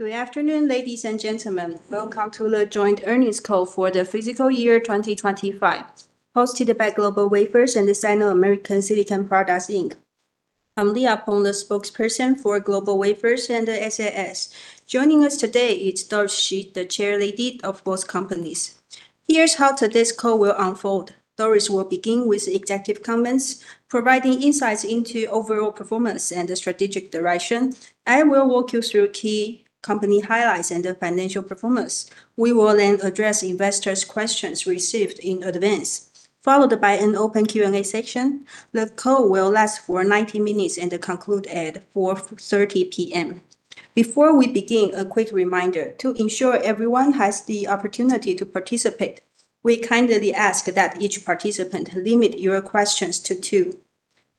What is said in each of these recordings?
Good afternoon, ladies and gentlemen. Welcome to the joint earnings call for the fiscal year 2025, hosted by GlobalWafers and the Sino-American Silicon Products Inc. I'm Leah Peng, the spokesperson for GlobalWafers and the SAS. Joining us today is Doris Hsu, the Chairlady of both companies. Here's how today's call will unfold. Doris will begin with executive comments, providing insights into overall performance and the strategic direction. I will walk you through key company highlights and the financial performance. We will then address investors' questions received in advance, followed by an open Q&A session. The call will last for 90 minutes and conclude at 4:30 P.M. Before we begin, a quick reminder. To ensure everyone has the opportunity to participate, we kindly ask that each participant limit your questions to two.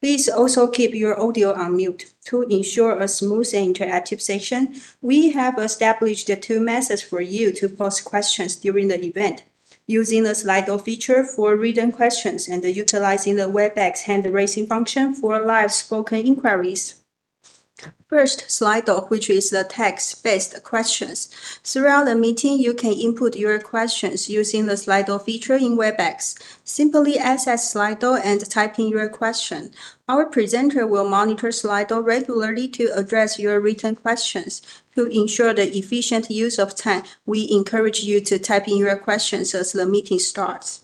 Please also keep your audio on mute. To ensure a smooth and interactive session, we have established two methods for you to post questions during the event, using the Slido feature for written questions and utilizing the Webex hand-raising function for live spoken inquiries. First, Slido, which is the text-based questions. Throughout the meeting, you can input your questions using the Slido feature in Webex. Simply access Slido and type in your question. Our presenter will monitor Slido regularly to address your written questions. To ensure the efficient use of time, we encourage you to type in your questions as the meeting starts.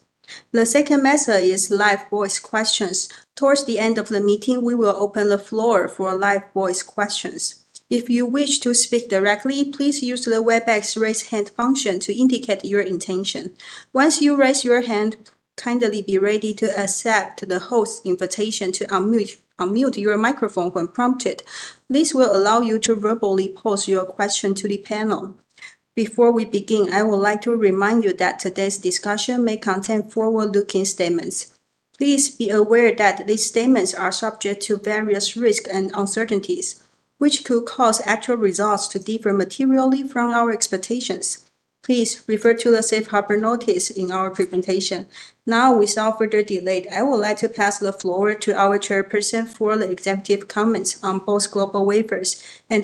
The second method is live voice questions. Towards the end of the meeting, we will open the floor for live voice questions. If you wish to speak directly, please use the Webex raise hand function to indicate your intention. Once you raise your hand, kindly be ready to accept the host's invitation to unmute your microphone when prompted. This will allow you to verbally pose your question to the panel. Before we begin, I would like to remind you that today's discussion may contain forward-looking statements. Please be aware that these statements are subject to various risks and uncertainties, which could cause actual results to differ materially from our expectations. Please refer to the safe harbor notice in our presentation. Now, without further delay, I would like to pass the floor to our chairperson for the executive comments on both GlobalWafers and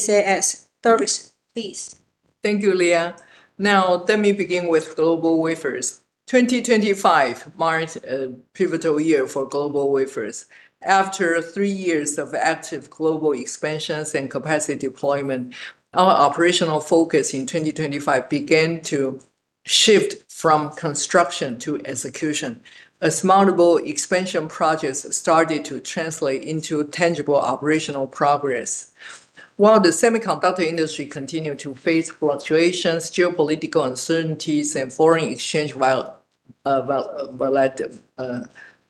SAS. Doris, please. Thank you, Leah. Now, let me begin with GlobalWafers. 2025 marked a pivotal year for GlobalWafers. After three years of active global expansions and capacity deployment, our operational focus in 2025 began to shift from construction to execution, as multiple expansion projects started to translate into tangible operational progress. While the semiconductor industry continued to face fluctuations, geopolitical uncertainties, and foreign exchange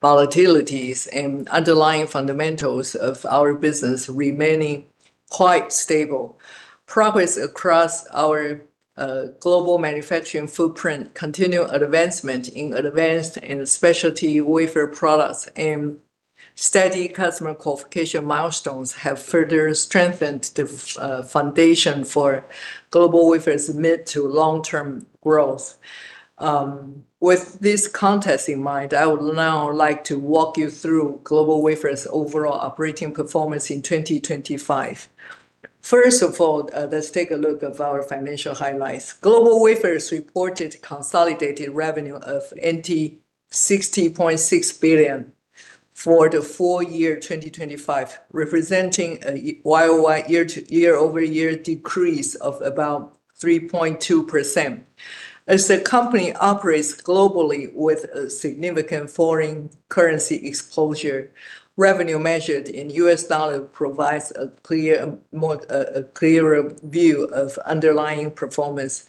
volatilities and underlying fundamentals of our business remaining quite stable. Progress across our global manufacturing footprint, continued advancement in advanced and specialty wafer products, and steady customer qualification milestones have further strengthened the foundation for GlobalWafers' mid- to long-term growth. With this context in mind, I would now like to walk you through GlobalWafers' overall operating performance in 2025. First of all, let's take a look at our financial highlights. GlobalWafers reported consolidated revenue of NTD 60.6 billion for the full year 2025, representing a year-over-year decrease of about 3.2%. As the company operates globally with a significant foreign currency exposure, revenue measured in U.S. dollar provides a clearer view of underlying performance.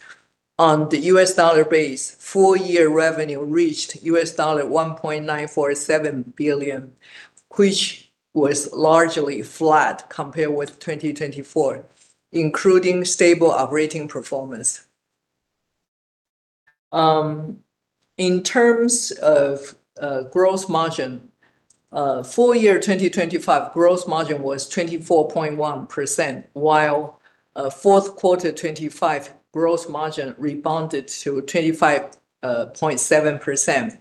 On the U.S. dollar base, full year revenue reached $1.947 billion, which was largely flat compared with 2024, including stable operating performance. In terms of gross margin, full year 2025 gross margin was 24.1%, while fourth quarter 2025 gross margin rebounded to 25.7%. The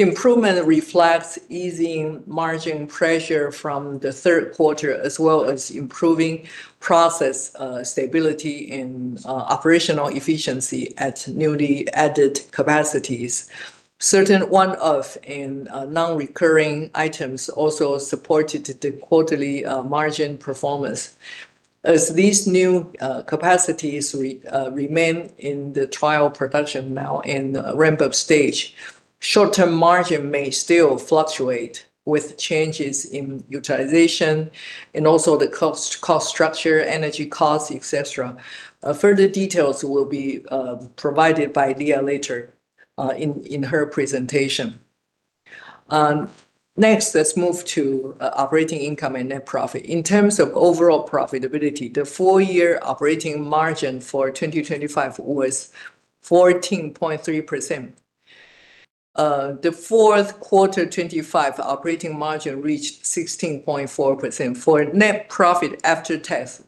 improvement reflects easing margin pressure from the third quarter, as well as improving process stability and operational efficiency at newly added capacities. Certain one-off and non-recurring items also supported the quarterly margin performance. As these new capacities remain in the trial production now in the ramp-up stage, short-term margin may still fluctuate with changes in utilization and also the cost structure, energy costs, etc. Further details will be provided by Leah later in her presentation. Next, let's move to operating income and net profit. In terms of overall profitability, the full year operating margin for 2025 was 14.3%. The fourth quarter 2025 operating margin reached 16.4%. For net profit after tax,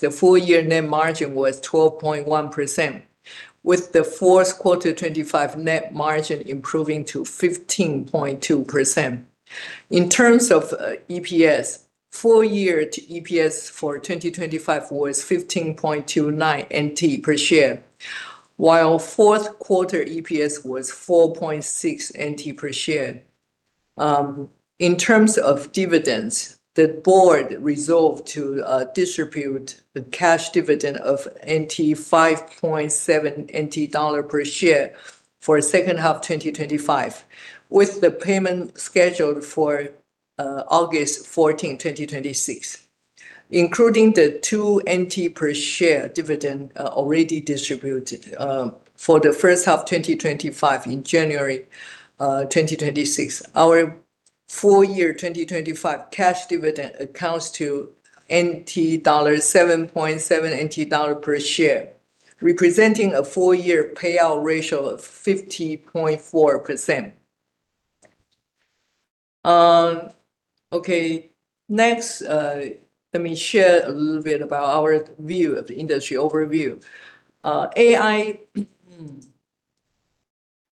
the full year net margin was 12.1%, with the fourth quarter 2025 net margin improving to 15.2%. In terms of EPS, full year EPS for 2025 was 15.29 NTD per share. Fourth quarter EPS was NTD 4.6 per share. In terms of dividends, the board resolved to distribute the cash dividend of NTD 5.7 per share for second half 2025, with the payment scheduled for August 14th, 2026. Including the NTD 2 per share dividend already distributed for the first half 2025 in January 2026. Our full year 2025 cash dividend amounts to NTD 7.7 per share, representing a full year payout ratio of 50.4%. Okay. Next, let me share a little bit about our view of the industry overview.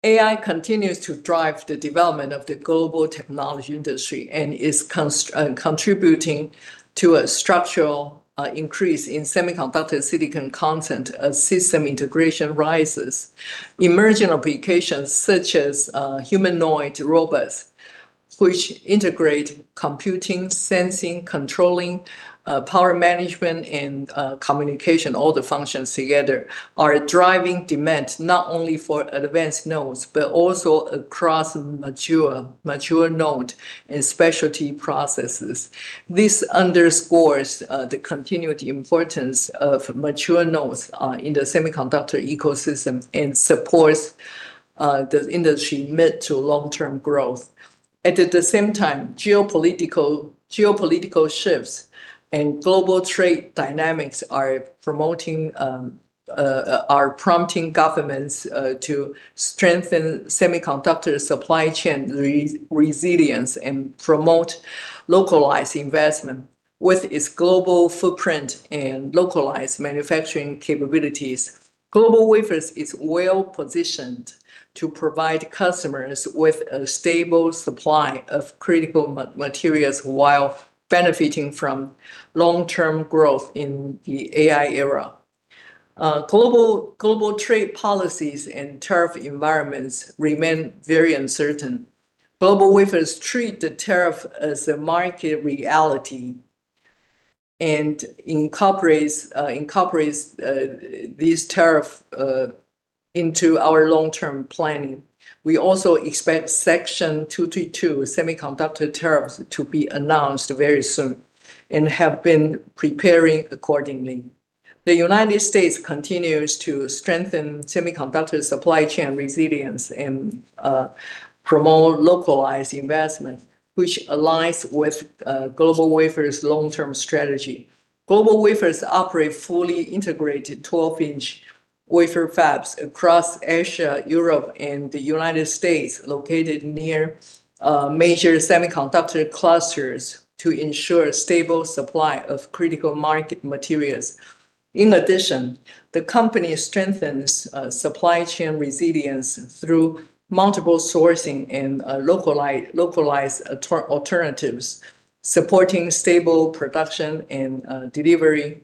AI continues to drive the development of the global technology industry and is contributing to a structural increase in semiconductor silicon content as system integration rises. Emerging applications such as humanoid robots, which integrate computing, sensing, controlling, power management, and communication, all the functions together, are driving demand not only for advanced nodes, but also across mature node and specialty processes. This underscores the continued importance of mature nodes in the semiconductor ecosystem and supports the industry mid- to long-term growth. At the same time, geopolitical shifts and global trade dynamics are prompting governments to strengthen semiconductor supply chain resilience and promote localized investment. With its global footprint and localized manufacturing capabilities, GlobalWafers is well positioned to provide customers with a stable supply of critical materials while benefiting from long-term growth in the AI era. Global trade policies and tariff environments remain very uncertain. GlobalWafers treat the tariff as a market reality and incorporates these tariffs into our long-term planning. We also expect Section 232 semiconductor tariffs to be announced very soon and have been preparing accordingly. The United States continues to strengthen semiconductor supply chain resilience and promote localized investment, which aligns with GlobalWafers' long-term strategy. GlobalWafers operate fully integrated 12-inch wafer fabs across Asia, Europe, and the United States, located near major semiconductor clusters to ensure stable supply of critical materials. In addition, the company strengthens supply chain resilience through multiple sourcing and localized alternatives, supporting stable production and delivery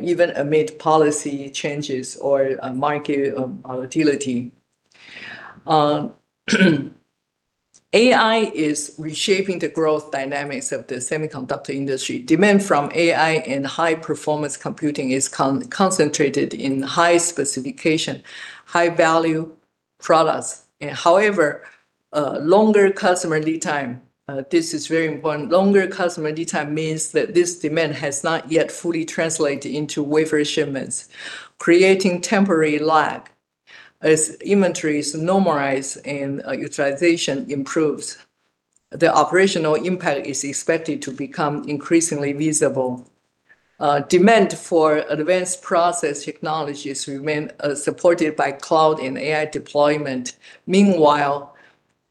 even amid policy changes or market volatility. AI is reshaping the growth dynamics of the semiconductor industry. Demand from AI and high-performance computing is concentrated in high specification, high value products. However, longer customer lead time, this is very important. Longer customer lead time means that this demand has not yet fully translated into wafer shipments, creating temporary lag. As inventories normalize and utilization improves, the operational impact is expected to become increasingly visible. Demand for advanced process technologies remain supported by cloud and AI deployment. Meanwhile,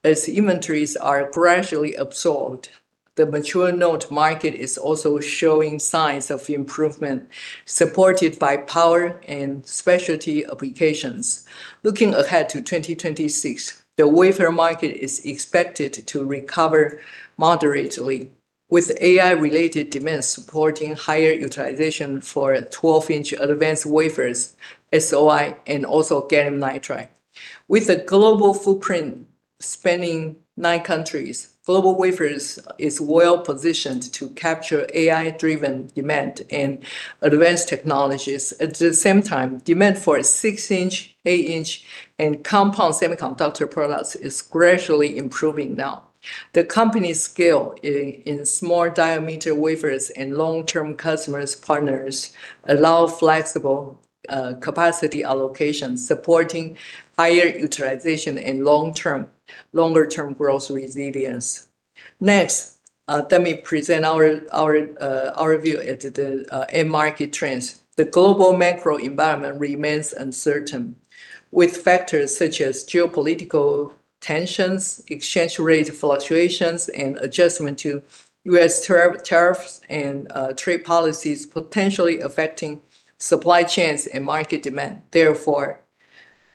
as inventories are gradually absorbed, the mature node market is also showing signs of improvement, supported by power and specialty applications. Looking ahead to 2026, the wafer market is expected to recover moderately, with AI-related demand supporting higher utilization for 12-inch advanced wafers, SOI, and also gallium nitride. With a global footprint spanning nine countries, GlobalWafers is well positioned to capture AI-driven demand and advanced technologies. At the same time, demand for 6-inch, 8-inch, and compound semiconductor products is gradually improving now. The company's scale in small diameter wafers and long-term customer partners allow flexible capacity allocation, supporting higher utilization and long-term growth resilience. Next, let me present our view of the end market trends. The global macro environment remains uncertain, with factors such as geopolitical tensions, exchange rate fluctuations, and adjustment to U.S. tariffs and trade policies potentially affecting supply chains and market demand. Therefore,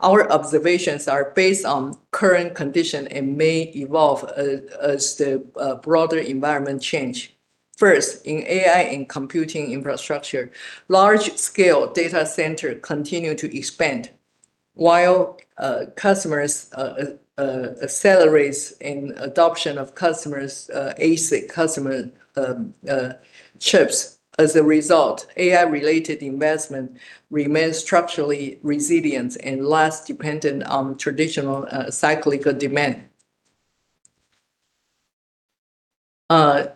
our observations are based on current condition and may evolve as the broader environment change. First, in AI and computing infrastructure, large-scale data center continue to expand. While customers accelerate in adoption of custom ASIC chips as a result, AI-related investment remains structurally resilient and less dependent on traditional cyclical demand.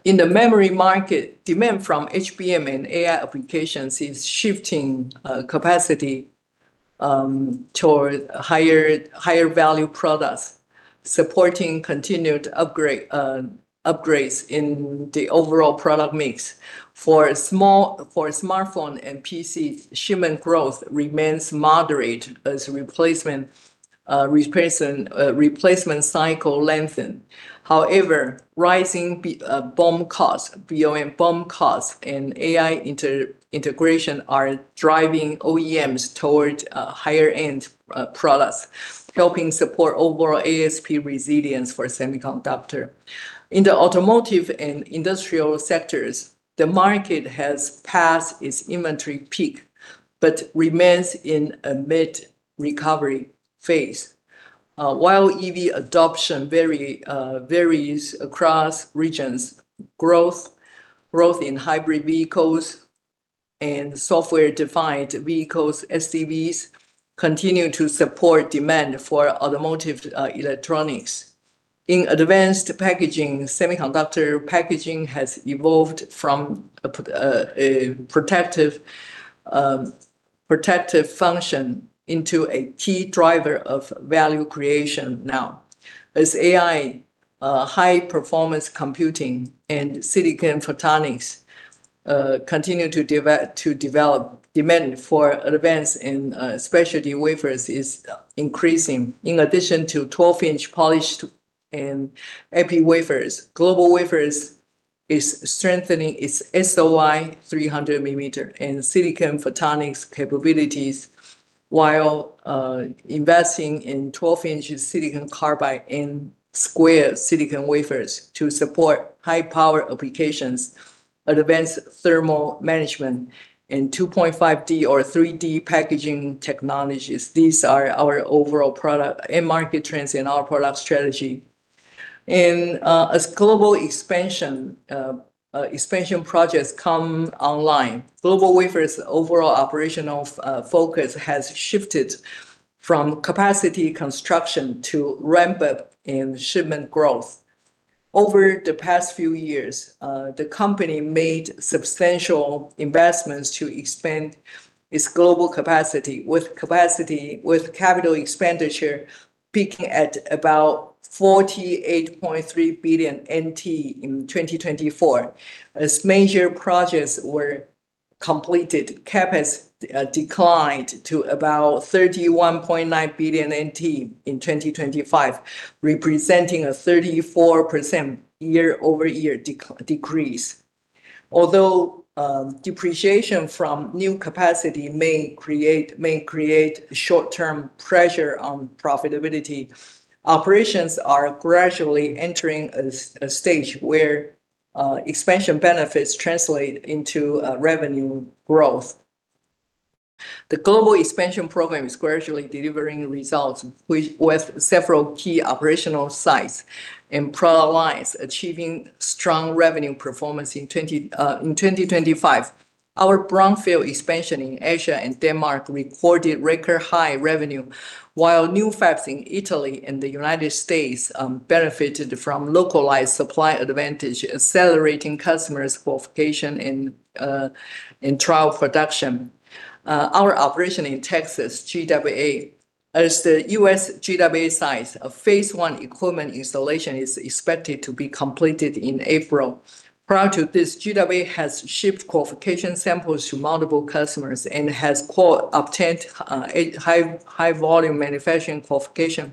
In the memory market, demand from HBM and AI applications is shifting capacity toward higher value products, supporting continued upgrades in the overall product mix. For smartphone and PC, shipment growth remains moderate as replacement cycle lengthen. However, rising BOM costs and AI integration are driving OEMs toward higher-end products, helping support overall ASP resilience for semiconductor. In the automotive and industrial sectors, the market has passed its inventory peak but remains in a mid-recovery phase. While EV adoption varies across regions, growth in hybrid vehicles and software-defined vehicles, SDVs, continue to support demand for automotive electronics. In advanced packaging, semiconductor packaging has evolved from a protective function into a key driver of value creation now. As AI, high-performance computing and silicon photonics continue to develop, demand for advanced and specialty wafers is increasing. In addition to 12-inch polished and epi wafers, GlobalWafers is strengthening its SOI 300-mm and silicon photonics capabilities while investing in 12-inch silicon carbide and square silicon wafers to support high-power applications, advanced thermal management, and 2.5D or 3D packaging technologies. These are our overall product and market trends in our product strategy. As global expansion projects come online, GlobalWafers' overall operational focus has shifted from capacity construction to ramp-up in shipment growth. Over the past few years, the company made substantial investments to expand its global capacity, capital expenditure peaking at about NTD 48.3 billion in 2024. As major projects were completed, CapEx declined to about NTD 31.9 billion in 2025, representing a 34% year-over-year decrease. Although depreciation from new capacity may create short-term pressure on profitability, operations are gradually entering a stage where expansion benefits translate into revenue growth. The global expansion program is gradually delivering results with several key operational sites and product lines achieving strong revenue performance in 2025. Our brownfield expansion in Asia and Denmark recorded record high revenue, while new fabs in Italy and the United States benefited from localized supply advantage, accelerating customers' qualification in trial production. Our operation in Texas, GWA, at the U.S. GWA site's phase I equipment installation is expected to be completed in April. Prior to this, GWA has shipped qualification samples to multiple customers and has, quote, "obtained a high volume manufacturing qualification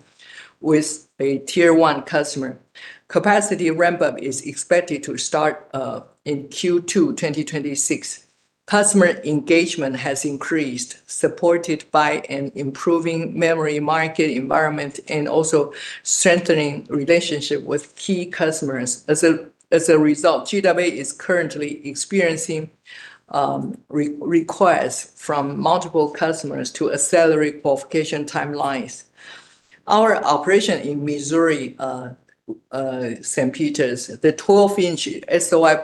with a Tier 1 customer." Capacity ramp-up is expected to start in Q2 2026. Customer engagement has increased, supported by an improving memory market environment and also strengthening relationship with key customers. As a result, GWA is currently experiencing requests from multiple customers to accelerate qualification timelines. Our operation in Missouri, St. Peters, the 12-inch SOI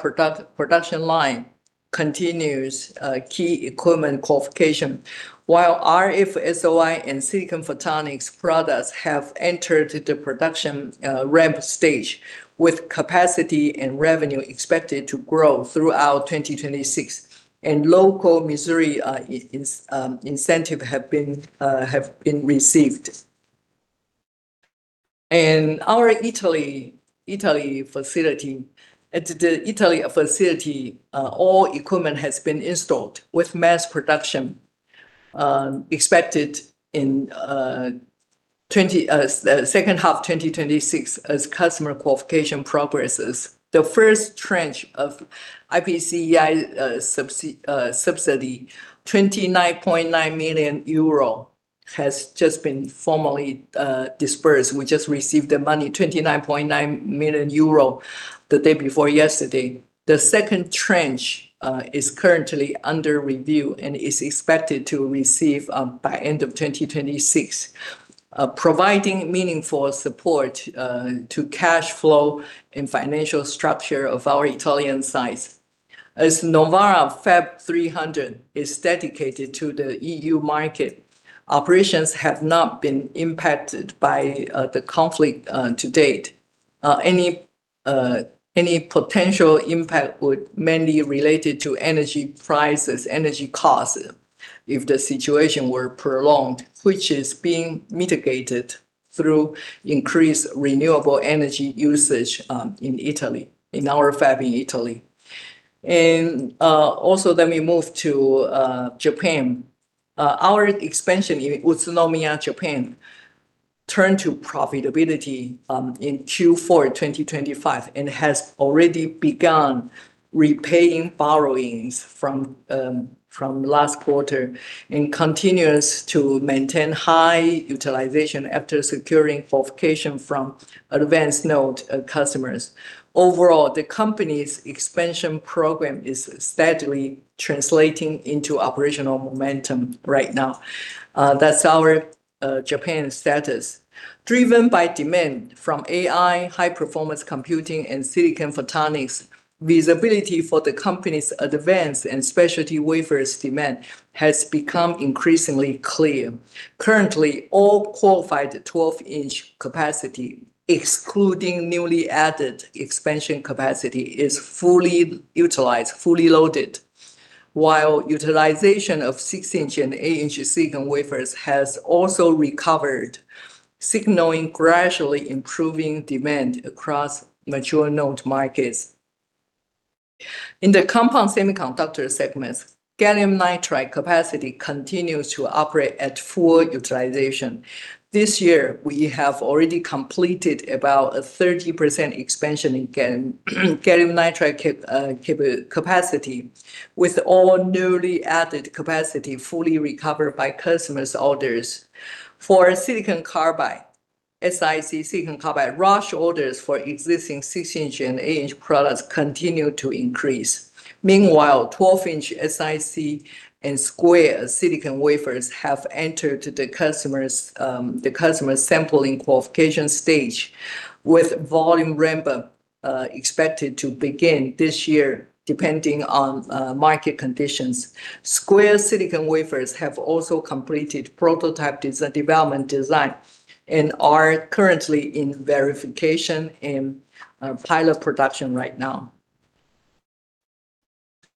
production line continues key equipment qualification. While RF SOI and silicon photonics products have entered the production ramp stage, with capacity and revenue expected to grow throughout 2026, and local Missouri incentive have been received. In our Italy facility, all equipment has been installed with mass production expected in second half 2026 as customer qualification progresses. The first tranche of IPCEI subsidy, 29.9 million euro, has just been formally dispersed. We just received the money, 29.9 million euro the day before yesterday. The second tranche is currently under review and is expected to receive by end of 2026. Providing meaningful support to cash flow and financial structure of our Italian sites. As Novara FAB300 is dedicated to the EU market, operations have not been impacted by the conflict to date. Any potential impact would mainly related to energy prices, energy costs if the situation were prolonged, which is being mitigated through increased renewable energy usage in Italy, in our fab in Italy. Also, let me move to Japan. Our expansion in Utsunomiya, Japan, turned to profitability in Q4 2025 and has already begun repaying borrowings from last quarter and continues to maintain high utilization after securing qualification from advanced node customers. Overall, the company's expansion program is steadily translating into operational momentum right now. That's our Japan status. Driven by demand from AI, high performance computing, and silicon photonics, visibility for the company's advanced and specialty wafers demand has become increasingly clear. Currently, all qualified 12-inch capacity, excluding newly added expansion capacity, is fully utilized, fully loaded. While utilization of 6-inch and 8-inch silicon wafers has also recovered, signaling gradually improving demand across mature node markets. In the compound semiconductor segments, gallium nitride capacity continues to operate at full utilization. This year we have already completed about a 30% expansion in gallium nitride capacity, with all newly added capacity fully recovered by customers' orders. For silicon carbide, SiC, rush orders for existing 6-inch and 8-inch products continue to increase. Meanwhile, 12-inch SiC and square silicon wafers have entered the customers' sampling qualification stage, with volume ramp-up expected to begin this year, depending on market conditions. Square silicon wafers have also completed development design and are currently in verification in pilot production right now.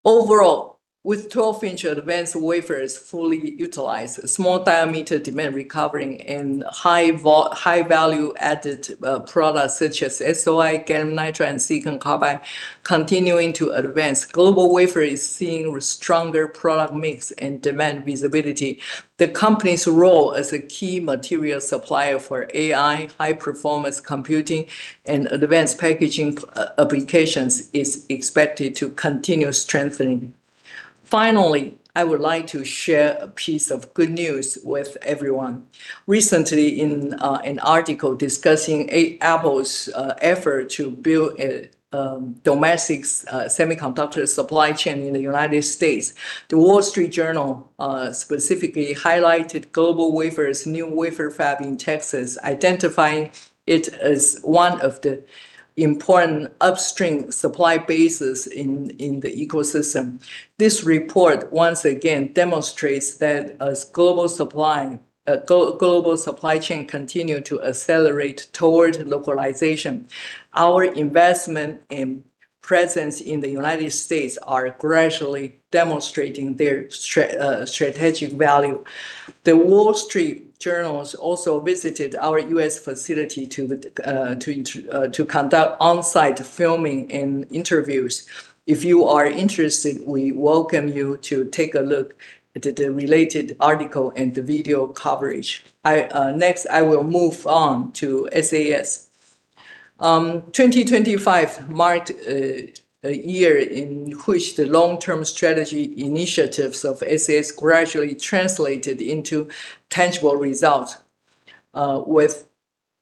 Overall, with 12-inch advanced wafers fully utilized, small diameter demand recovering, and high value added products such as SOI, gallium nitride, and silicon carbide continuing to advance, GlobalWafers is seeing stronger product mix and demand visibility. The company's role as a key material supplier for AI, high performance computing, and advanced packaging applications is expected to continue strengthening. Finally, I would like to share a piece of good news with everyone. Recently in an article discussing Apple's effort to build a domestic semiconductor supply chain in the United States, The Wall Street Journal specifically highlighted GlobalWafers' new wafer fab in Texas, identifying it as one of the important upstream supply bases in the ecosystem. This report once again demonstrates that as global supply chain continue to accelerate toward localization, our investment and presence in the United States are gradually demonstrating their strategic value. The Wall Street Journal also visited our U.S. facility to conduct on-site filming and interviews. If you are interested, we welcome you to take a look at the related article and the video coverage. Next I will move on to SAS. 2025 marked a year in which the long-term strategy initiatives of SAS gradually translated into tangible results, with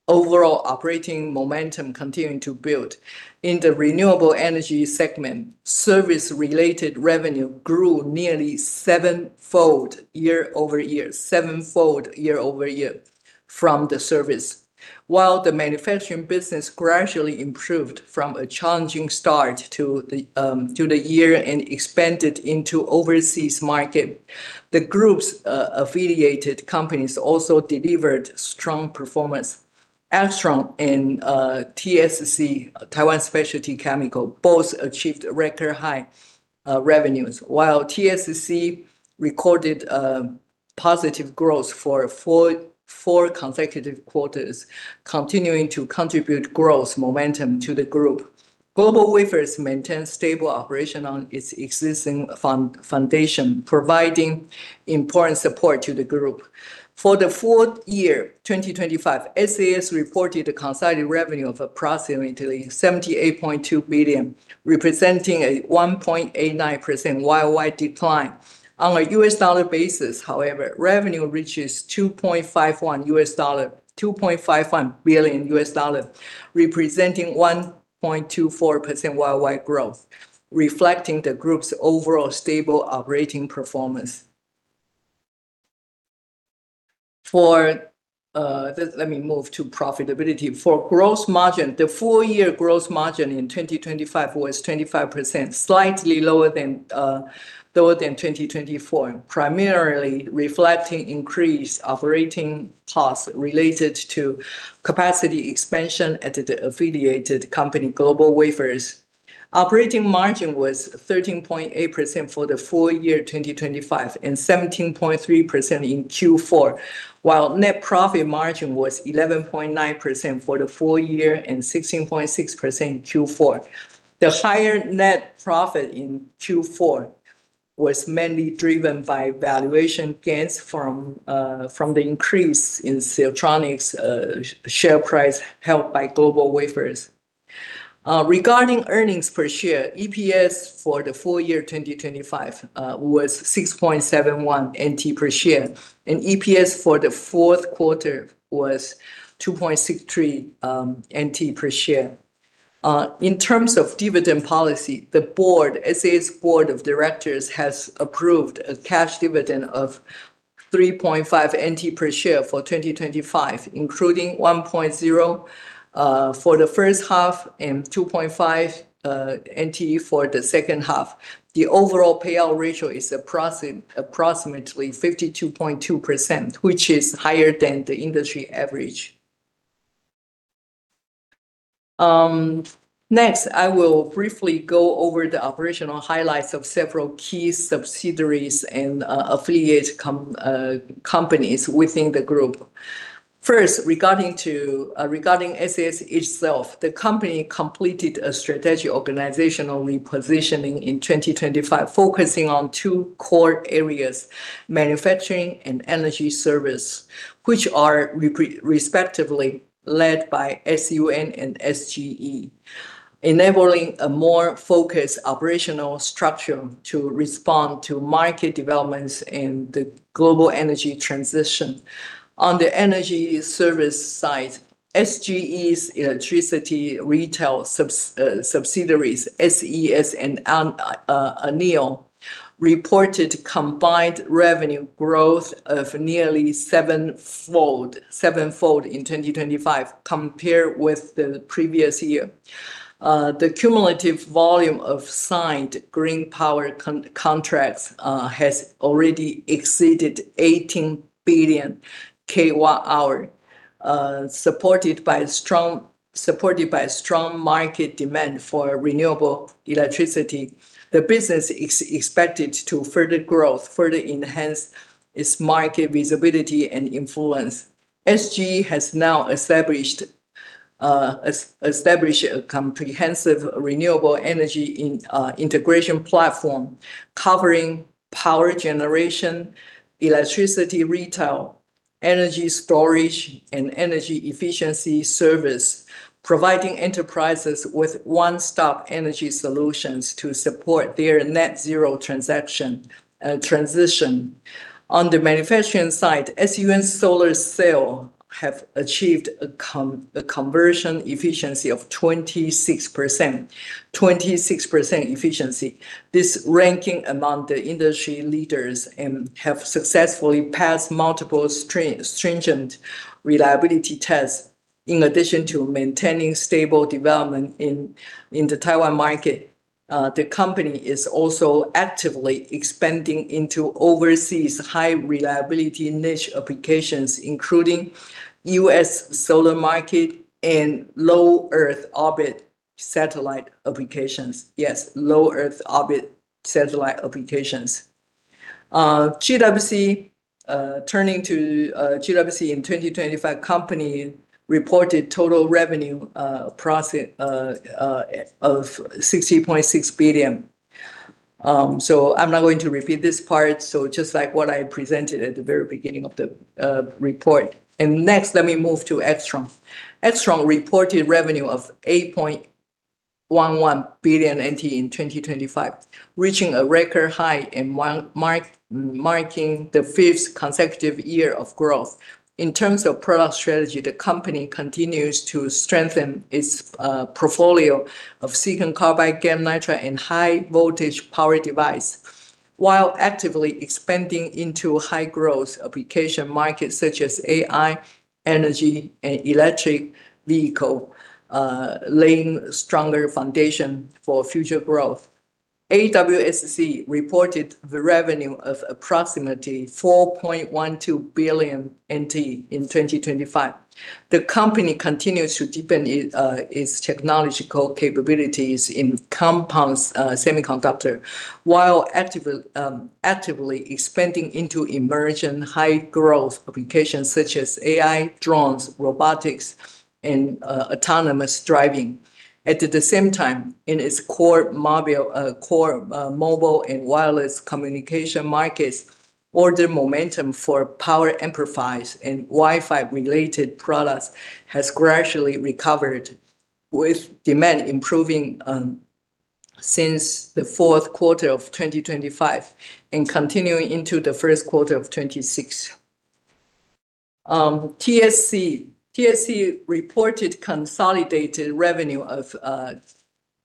overall operating momentum continuing to build. In the renewable energy segment, service-related revenue grew nearly sevenfold year-over-year from the service. While the manufacturing business gradually improved from a challenging start to the year and expanded into overseas market, the group's affiliated companies also delivered strong performance. Actron and TSCC, Taiwan Specialty Chemicals Corporation, both achieved record high revenues, while TSCC recorded positive growth for four consecutive quarters, continuing to contribute growth momentum to the group. GlobalWafers maintained stable operation on its existing foundation, providing important support to the group. For the full year 2025, SAS reported a consolidated revenue of approximately NTD 78.2 billion, representing a 1.89% YoY decline. On a U.S. dollar basis, however, revenue reaches $2.51 billion, representing 1.24% YoY growth, reflecting the group's overall stable operating performance. Let me move to profitability. For gross margin, the full year gross margin in 2025 was 25%, slightly lower than lower than 2024, primarily reflecting increased operating costs related to capacity expansion at the affiliated company, GlobalWafers. Operating margin was 13.8% for the full year 2025, and 17.3% in Q4, while net profit margin was 11.9% for the full year and 16.6% in Q4. The higher net profit in Q4 was mainly driven by valuation gains from from the increase in Siltronic's share price held by GlobalWafers. Regarding earnings per share, EPS for the full year 2025 was NTD 6.71 per share, and EPS for the fourth quarter was NTD 2.63 per share. In terms of dividend policy, SAS's Board of Directors has approved a cash dividend of NTD 3.5 per share for 2025, including NTD 1.0 for the first half and NTD 2.5 for the second half. The overall payout ratio is approximately 52.2%, which is higher than the industry average. Next, I will briefly go over the operational highlights of several key subsidiaries and affiliate companies within the group. First, regarding SAS itself, the company completed a strategic organizational repositioning in 2025, focusing on two core areas, manufacturing and energy service, which are respectively led by SUN and SGE, enabling a more focused operational structure to respond to market developments in the global energy transition. On the energy service side, SGE's electricity retail subsidiaries, SES and ANEW, reported combined revenue growth of nearly sevenfold in 2025 compared with the previous year. The cumulative volume of signed green power contracts has already exceeded 18 billion kWh. Supported by strong market demand for renewable electricity, the business expected to further grow, further enhance its market visibility and influence. SGE has now established a comprehensive renewable energy integration platform covering power generation, electricity retail, energy storage, and energy efficiency service, providing enterprises with one-stop energy solutions to support their net zero transition. On the manufacturing side, SUN's solar cells have achieved a conversion efficiency of 26%. This ranks among the industry leaders and has successfully passed multiple stringent reliability tests. In addition to maintaining stable development in the Taiwan market, the company is also actively expanding into overseas high reliability niche applications, including U.S. solar market and low Earth orbit satellite applications. Turning to GlobalWafers in 2025, company reported total revenue and profit of NTD 60.6 billion. I'm not going to repeat this part, so just like what I presented at the very beginning of the report. Next, let me move to Actron. Actron reported revenue of NTD 8.11 billion in 2025, reaching a record high, marking the fifth consecutive year of growth. In terms of product strategy, the company continues to strengthen its portfolio of silicon carbide, GaN, and high voltage power device, while actively expanding into high-growth application markets such as AI, energy, and electric vehicle, laying stronger foundation for future growth. AWSC reported the revenue of approximately NTD 4.12 billion in 2025. The company continues to deepen its technological capabilities in compound semiconductor, while actively expanding into emerging high-growth applications such as AI, drones, robotics, and autonomous driving. At the same time, in its core mobile and wireless communication markets, order momentum for power amplifiers and Wi-Fi related products has gradually recovered with demand improving since the fourth quarter of 2025 and continuing into the first quarter of 2026. TSC reported consolidated revenue of NTD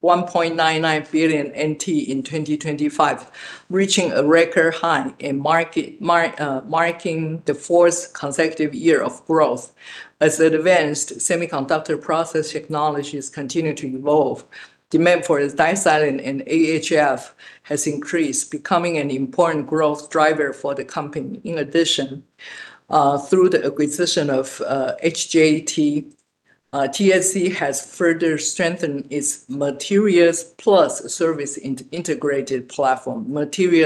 1.99 billion in 2025, reaching a record high in market, marking the fourth consecutive year of growth. As advanced semiconductor process technologies continue to evolve, demand for disilane in AHF has increased, becoming an important growth driver for the company. In addition, through the acquisition of HJT, TSC has further strengthened its materials plus service integrated platform, expanding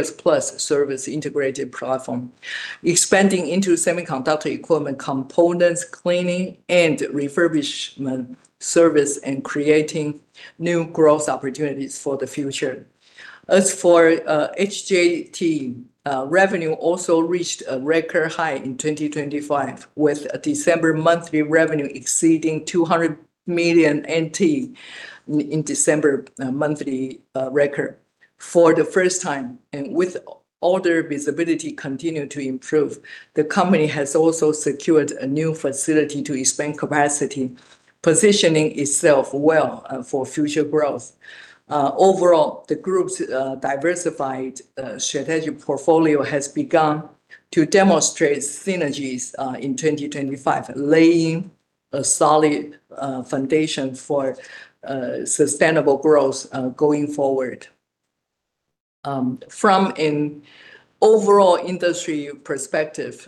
into semiconductor equipment components, cleaning and refurbishment service, and creating new growth opportunities for the future. As for HJT, revenue also reached a record high in 2025, with a December monthly revenue exceeding NTD 200 million, record. For the first time, and with order visibility continuing to improve, the company has also secured a new facility to expand capacity, positioning itself well for future growth. Overall, the group's diversified strategic portfolio has begun to demonstrate synergies in 2025, laying a solid foundation for sustainable growth going forward. From an overall industry perspective,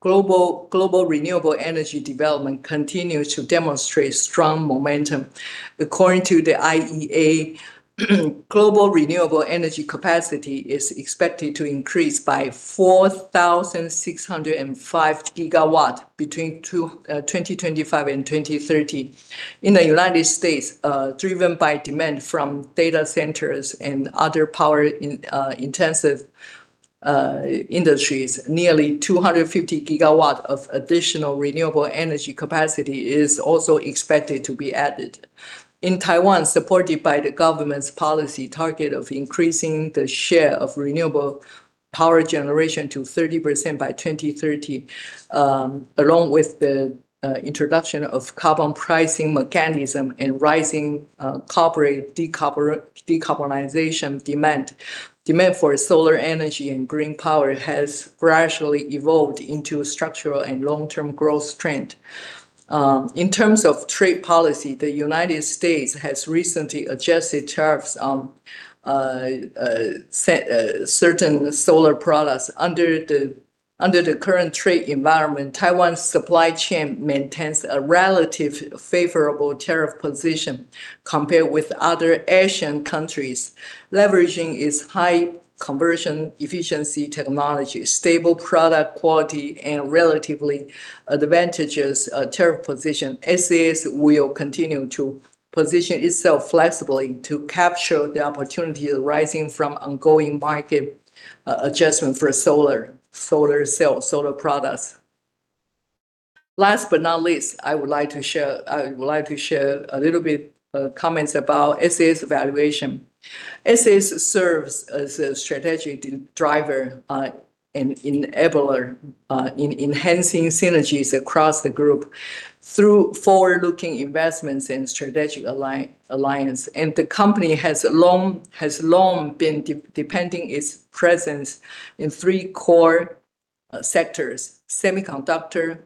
global renewable energy development continues to demonstrate strong momentum. According to the IEA, global renewable energy capacity is expected to increase by 4,605 GW between 2025 and 2030. In the United States, driven by demand from data centers and other power intensive industries, nearly 250 GW of additional renewable energy capacity is also expected to be added. In Taiwan, supported by the government's policy target of increasing the share of renewable power generation to 30% by 2030, along with the introduction of carbon pricing mechanism and rising corporate decarbonization demand for solar energy and green power has gradually evolved into a structural and long-term growth trend. In terms of trade policy, the United States has recently adjusted tariffs on certain solar products. Under the current trade environment, Taiwan's supply chain maintains a relative favorable tariff position compared with other Asian countries. Leveraging its high conversion efficiency technology, stable product quality, and relatively advantageous tariff position, SAS will continue to position itself flexibly to capture the opportunity arising from ongoing market adjustment for solar cells, solar products. Last but not least, I would like to share a little bit comments about SAS valuation. SAS serves as a strategic driver and enabler in enhancing synergies across the group through forward-looking investments and strategic alliance. The company has long been deepening its presence in three core sectors, semiconductor,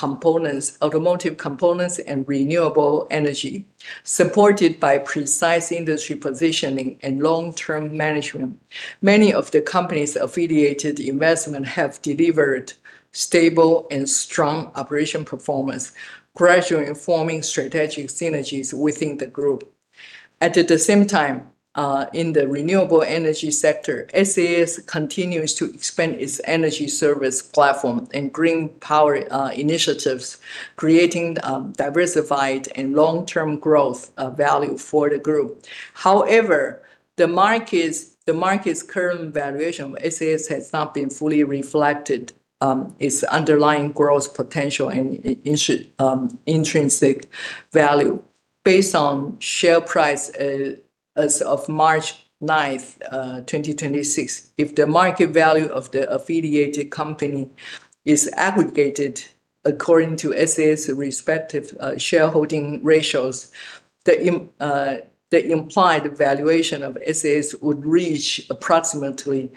automotive components, and renewable energy. Supported by precise industry positioning and long-term management, many of the company's affiliated investment have delivered stable and strong operational performance, gradually forming strategic synergies within the group. At the same time, in the renewable energy sector, SAS continues to expand its energy service platform and green power initiatives, creating diversified and long-term growth value for the group. However, the market's current valuation of SAS has not been fully reflected in its underlying growth potential and intrinsic value. Based on share price, as of March 9th, 2026, if the market value of the affiliated company is aggregated according to SAS's respective shareholding ratios, the implied valuation of SAS would reach approximately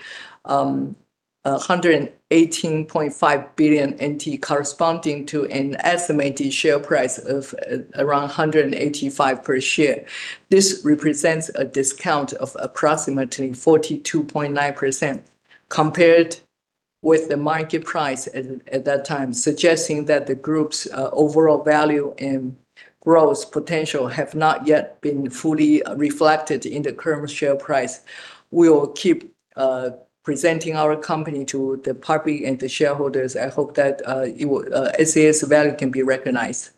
NTD 118.5 billion, corresponding to an estimated share price of around NTD 185 per share. This represents a discount of approximately 42.9% compared with the market price at that time, suggesting that the group's overall value and growth potential have not yet been fully reflected in the current share price. We will keep presenting our company to the public and the shareholders. I hope that SAS value can be recognized.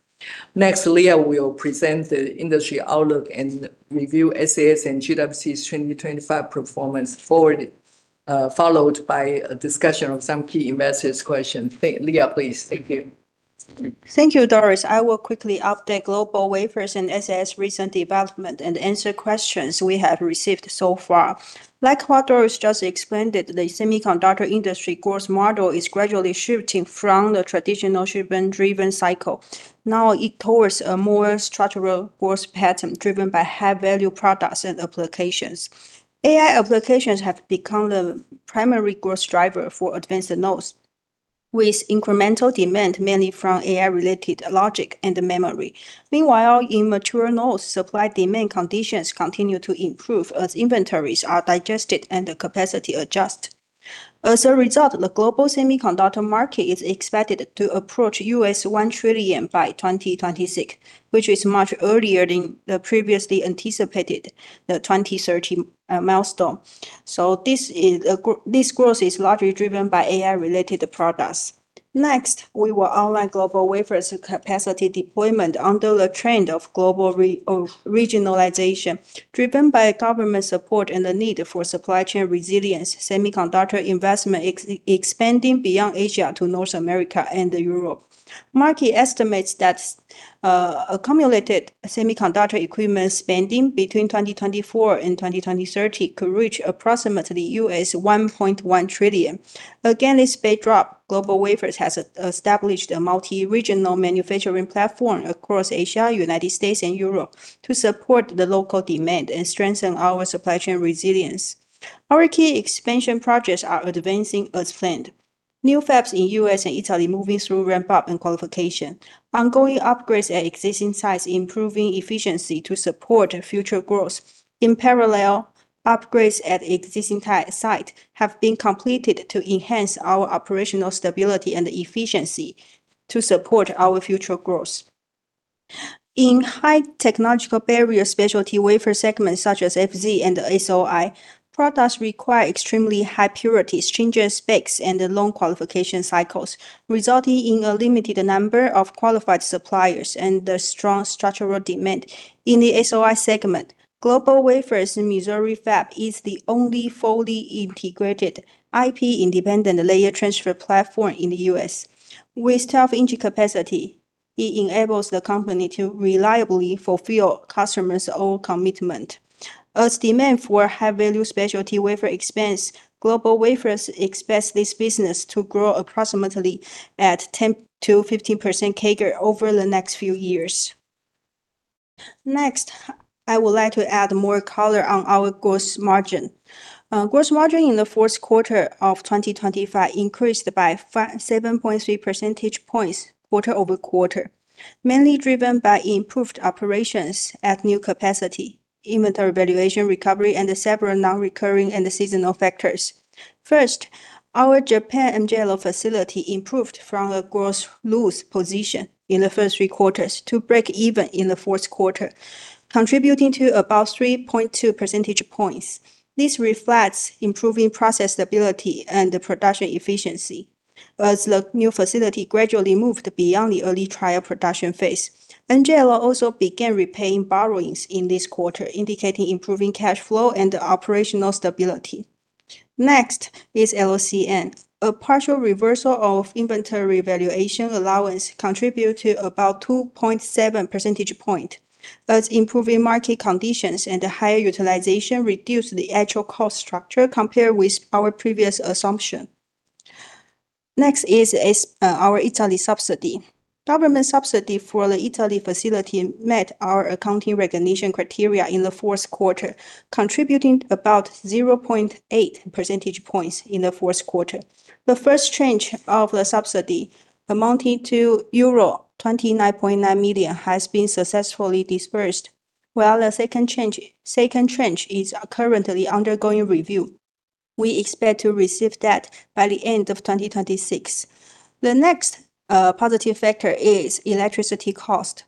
Next, Leah will present the industry outlook and review SAS and GWC's 2025 performance forward, followed by a discussion of some key investor questions. Leah, please. Thank you. Thank you, Doris. I will quickly update GlobalWafers and SAS recent development and answer questions we have received so far. Like what Doris just explained, that the semiconductor industry growth model is gradually shifting from the traditional shipment driven cycle. Now it's towards a more structural growth pattern driven by high value products and applications. AI applications have become the primary growth driver for advanced nodes, with incremental demand mainly from AI related logic and memory. Meanwhile, in mature nodes, supply demand conditions continue to improve as inventories are digested and the capacity adjust. As a result, the global semiconductor market is expected to approach $1 trillion by 2026, which is much earlier than the previously anticipated 2030 milestone. This growth is largely driven by AI-related products. Next, we will outline GlobalWafers capacity deployment under the trend of global regionalization, driven by government support and the need for supply chain resilience, semiconductor investment expanding beyond Asia to North America and Europe. McKinsey estimates that accumulated semiconductor equipment spending between 2024 and 2030 could reach approximately $1.1 trillion. Against this backdrop, GlobalWafers has established a multi-regional manufacturing platform across Asia, United States and Europe to support the local demand and strengthen our supply chain resilience. Our key expansion projects are advancing as planned. New fabs in U.S. and Italy moving through ramp-up and qualification. Ongoing upgrades at existing sites, improving efficiency to support future growth. In parallel, upgrades at existing site have been completed to enhance our operational stability and efficiency to support our future growth. In high technological barrier specialty wafer segments such as FZ and SOI, products require extremely high purity, stringent specs and long qualification cycles, resulting in a limited number of qualified suppliers and a strong structural demand. In the SOI segment, GlobalWafers' Missouri fab is the only fully integrated IP-independent layer transfer platform in the U.S.. With 12-inch capacity, it enables the company to reliably fulfill customers' old commitment. As demand for high value specialty wafer expands, GlobalWafers expects this business to grow approximately at 10%-15% CAGR over the next few years. Next, I would like to add more color on our gross margin. Gross margin in the fourth quarter of 2025 increased by 7.3 percentage points quarter-over-quarter, mainly driven by improved operations at new capacity, inventory valuation recovery, and several non-recurring and seasonal factors. First, our Japan MJL facility improved from a gross loss position in the first three quarters to break even in the fourth quarter, contributing to about 3.2 percentage points. This reflects improving process stability and the production efficiency as the new facility gradually moved beyond the early trial production phase. MJL also began repaying borrowings in this quarter, indicating improving cash flow and operational stability. Next is LCN, a partial reversal of inventory valuation allowance contribute to about 2.7 percentage point, thus improving market conditions and higher utilization reduced the actual cost structure compared with our previous assumption. Next is our Italy subsidy. Government subsidy for the Italy facility met our accounting recognition criteria in the fourth quarter, contributing about 0.8 percentage points in the fourth quarter. The first tranche of the subsidy, amounting to euro 29.9 million, has been successfully disbursed. The second tranche is currently undergoing review. We expect to receive that by the end of 2026. The next, positive factor is electricity cost.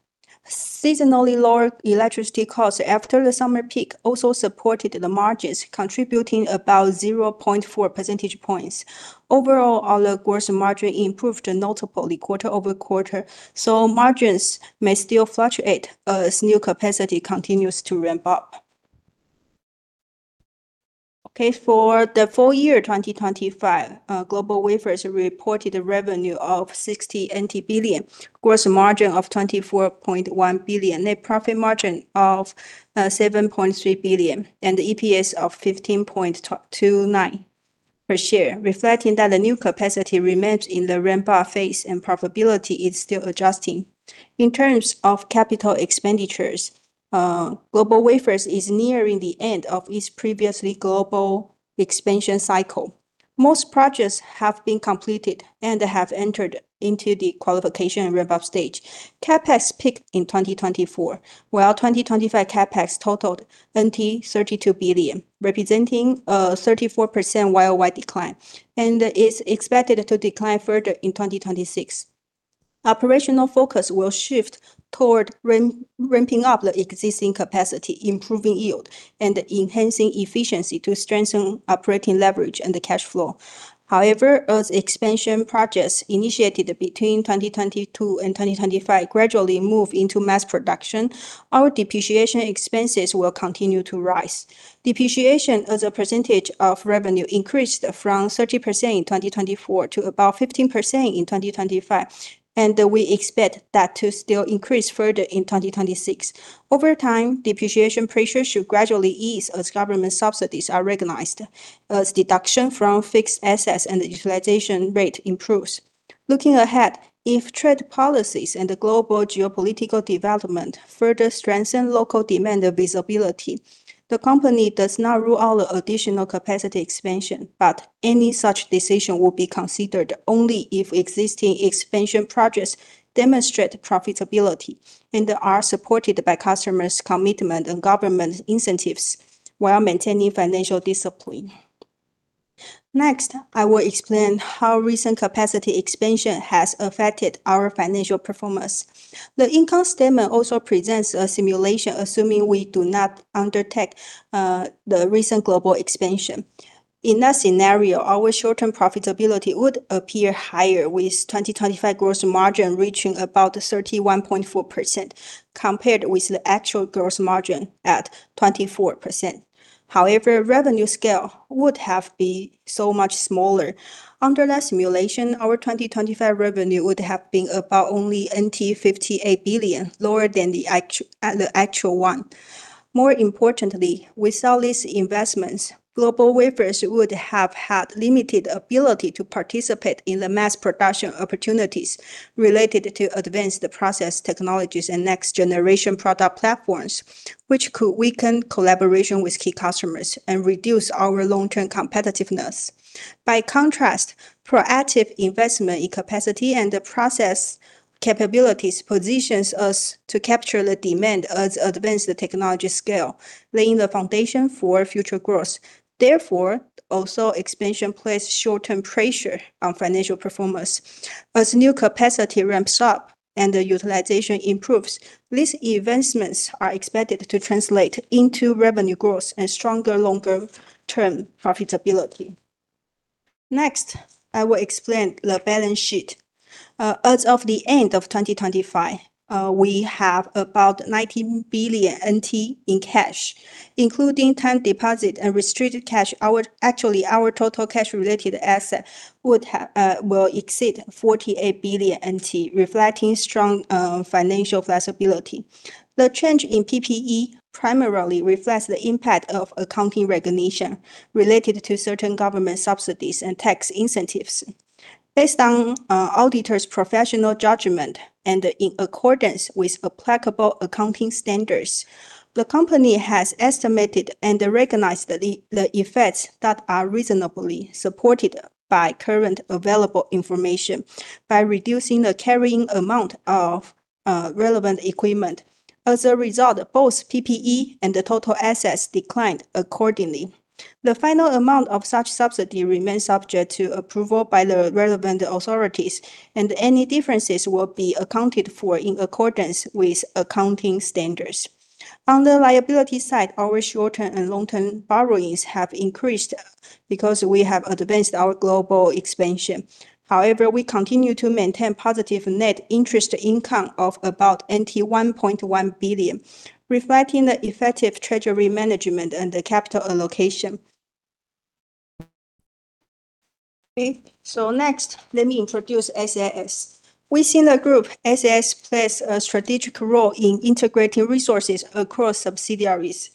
Seasonally, lower electricity costs after the summer peak also supported the margins, contributing about 0.4 percentage points. Overall, our gross margin improved notably quarter-over-quarter, so margins may still fluctuate as new capacity continues to ramp up. Okay, for the full year 2025, GlobalWafers reported revenue of NTD 60 billion, gross margin of NTD 24.1 billion, net profit margin of NTD 7.3 billion, and EPS of 15.29 per share, reflecting that the new capacity remains in the ramp-up phase and profitability is still adjusting. In terms of capital expenditures, GlobalWafers is nearing the end of its previously global expansion cycle. Most projects have been completed and have entered into the qualification and ramp-up stage. CapEx peaked in 2024, while 2025 CapEx totaled NTD 32 billion, representing a 34% YoY decline, and is expected to decline further in 2026. Operational focus will shift toward ramping up the existing capacity, improving yield and enhancing efficiency to strengthen operating leverage and the cash flow. However, as expansion projects initiated between 2022 and 2025 gradually move into mass production, our depreciation expenses will continue to rise. Depreciation as a percentage of revenue increased from 30% in 2024 to about 15% in 2025, and we expect that to still increase further in 2026. Over time, depreciation pressure should gradually ease as government subsidies are recognized, as deduction from fixed assets and the utilization rate improves. Looking ahead, if trade policies and the global geopolitical development further strengthen local demand visibility, the company does not rule out the additional capacity expansion. Any such decision will be considered only if existing expansion projects demonstrate profitability and are supported by customers' commitment and government incentives while maintaining financial discipline. Next, I will explain how recent capacity expansion has affected our financial performance. The income statement also presents a simulation, assuming we do not undertake the recent global expansion. In that scenario, our short-term profitability would appear higher, with 2025 gross margin reaching about 31.4% compared with the actual gross margin at 24%. However, revenue scale would have been so much smaller. Under that simulation, our 2025 revenue would have been about only NTD 58 billion, lower than the actual one. More importantly, without these investments, GlobalWafers would have had limited ability to participate in the mass production opportunities related to advanced process technologies and next-generation product platforms, which could weaken collaboration with key customers and reduce our long-term competitiveness. By contrast, proactive investment in capacity and the process capabilities positions us to capture the demand as advanced technology scale, laying the foundation for future growth. Therefore, also expansion place short-term pressure on financial performance. As new capacity ramps up and the utilization improves, these investments are expected to translate into revenue growth and stronger, longer term profitability. Next, I will explain the balance sheet. As of the end of 2025, we have about NTD 19 billion in cash, including time deposit and restricted cash. Actually, our total cash related asset will exceed NTD 48 billion, reflecting strong financial flexibility. The change in PPE primarily reflects the impact of accounting recognition related to certain government subsidies and tax incentives. Based on auditor's professional judgment and in accordance with applicable accounting standards, the company has estimated and recognized the effects that are reasonably supported by current available information by reducing the carrying amount of relevant equipment. As a result, both PPE and the total assets declined accordingly. The final amount of such subsidy remains subject to approval by the relevant authorities, and any differences will be accounted for in accordance with accounting standards. On the liability side, our short-term and long-term borrowings have increased because we have advanced our global expansion. However, we continue to maintain positive net interest income of about NTD 1.1 billion, reflecting the effective treasury management and the capital allocation. Okay. Next, let me introduce SAS. Within the group, SAS plays a strategic role in integrating resources across subsidiaries,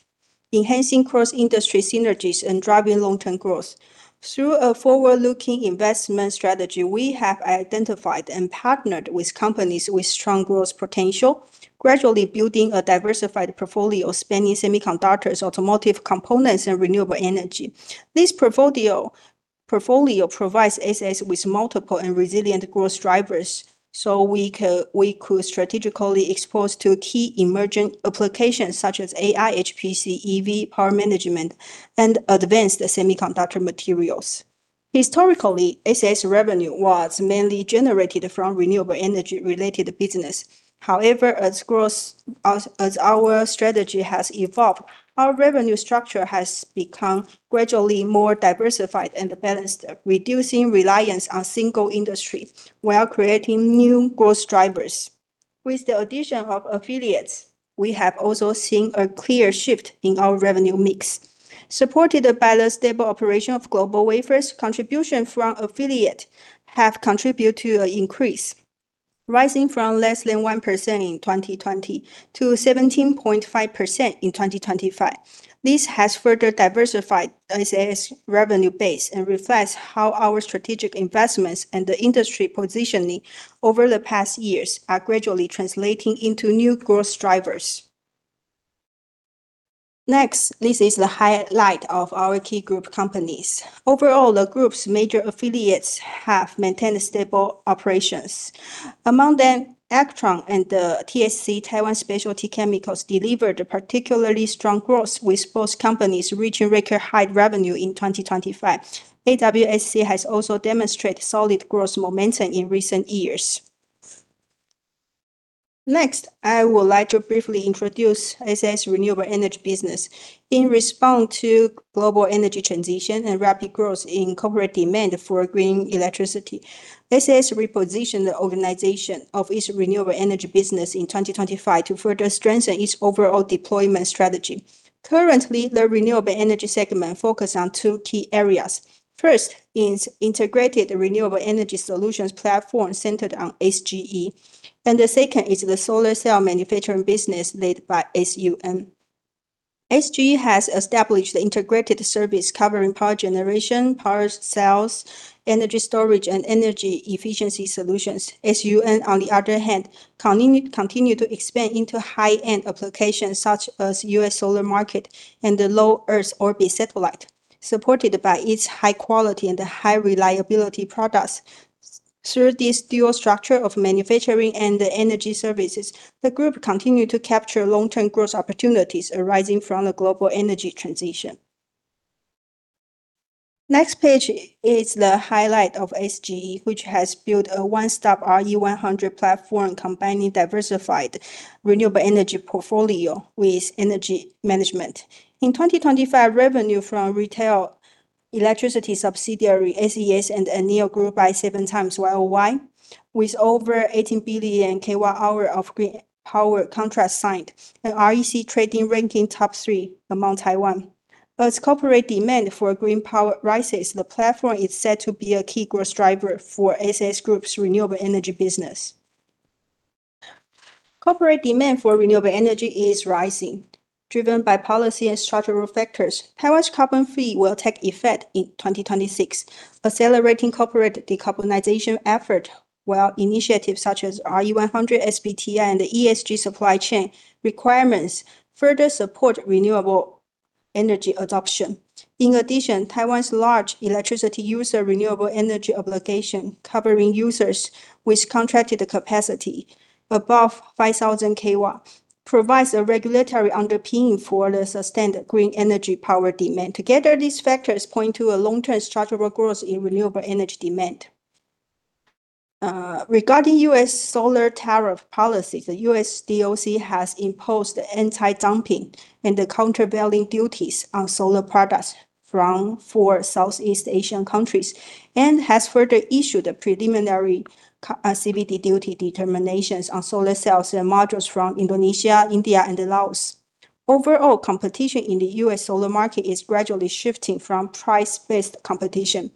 enhancing cross-industry synergies, and driving long-term growth. Through a forward-looking investment strategy, we have identified and partnered with companies with strong growth potential, gradually building a diversified portfolio spanning semiconductors, automotive components, and renewable energy. This portfolio provides SAS with multiple and resilient growth drivers, so we could strategically expose to key emerging applications such as AI, HPC, EV, power management, and advanced semiconductor materials. Historically, SAS revenue was mainly generated from renewable energy related business. However, as our strategy has evolved, our revenue structure has become gradually more diversified and balanced, reducing reliance on single industry while creating new growth drivers. With the addition of affiliates, we have also seen a clear shift in our revenue mix. Supported by the stable operation of GlobalWafers, contribution from affiliate have contributed to an increase, rising from less than 1% in 2020 to 17.5% in 2025. This has further diversified SAS revenue base and reflects how our strategic investments and the industry positioning over the past years are gradually translating into new growth drivers. Next, this is the highlight of our key group companies. Overall, the group's major affiliates have maintained stable operations. Among them, Actron and TSC, Taiwan Specialty Chemicals, delivered a particularly strong growth, with both companies reaching record high revenue in 2025. AWSC has also demonstrated solid growth momentum in recent years. Next, I would like to briefly introduce SAS renewable energy business. In response to global energy transition and rapid growth in corporate demand for green electricity, SAS repositioned the organization of its renewable energy business in 2025 to further strengthen its overall deployment strategy. Currently, the renewable energy segment focus on two key areas. First is integrated renewable energy solutions platform centered on SGE, and the second is the solar cell manufacturing business led by SAS. SGE has established the integrated service covering power generation, power sales, energy storage, and energy efficiency solutions. SUN, on the other hand, continues to expand into high-end applications such as U.S. solar market and the low Earth orbit satellite, supported by its high quality and high reliability products. Through this dual structure of manufacturing and the energy services, the group continues to capture long-term growth opportunities arising from the global energy transition. Next page is the highlight of SGE, which has built a one-stop RE100 platform combining diversified renewable energy portfolio with energy management. In 2025, revenue from retail electricity subsidiary, SES and ANEW grew by 7 times YoY, with over 18 billion kWh of green power contracts signed, and REC trading ranking top three in Taiwan. As corporate demand for green power rises, the platform is set to be a key growth driver for SAS group's renewable energy business. Corporate demand for renewable energy is rising, driven by policy and structural factors. Taiwan's carbon fee will take effect in 2026, accelerating corporate decarbonization effort, while initiatives such as RE100, SBTi, and ESG supply chain requirements further support renewable energy adoption. In addition, Taiwan's large electricity user renewable energy obligation, covering users with contracted capacity above 5,000 kW, provides a regulatory underpinning for the sustained green energy power demand. Together, these factors point to a long-term structural growth in renewable energy demand. Regarding U.S. solar tariff policy, the U.S. DOC has imposed anti-dumping and countervailing duties on solar products from four Southeast Asian countries, and has further issued a preliminary CVD duty determinations on solar cells and modules from Indonesia, India, and Laos. Overall, competition in the U.S. solar market is gradually shifting from price-based competition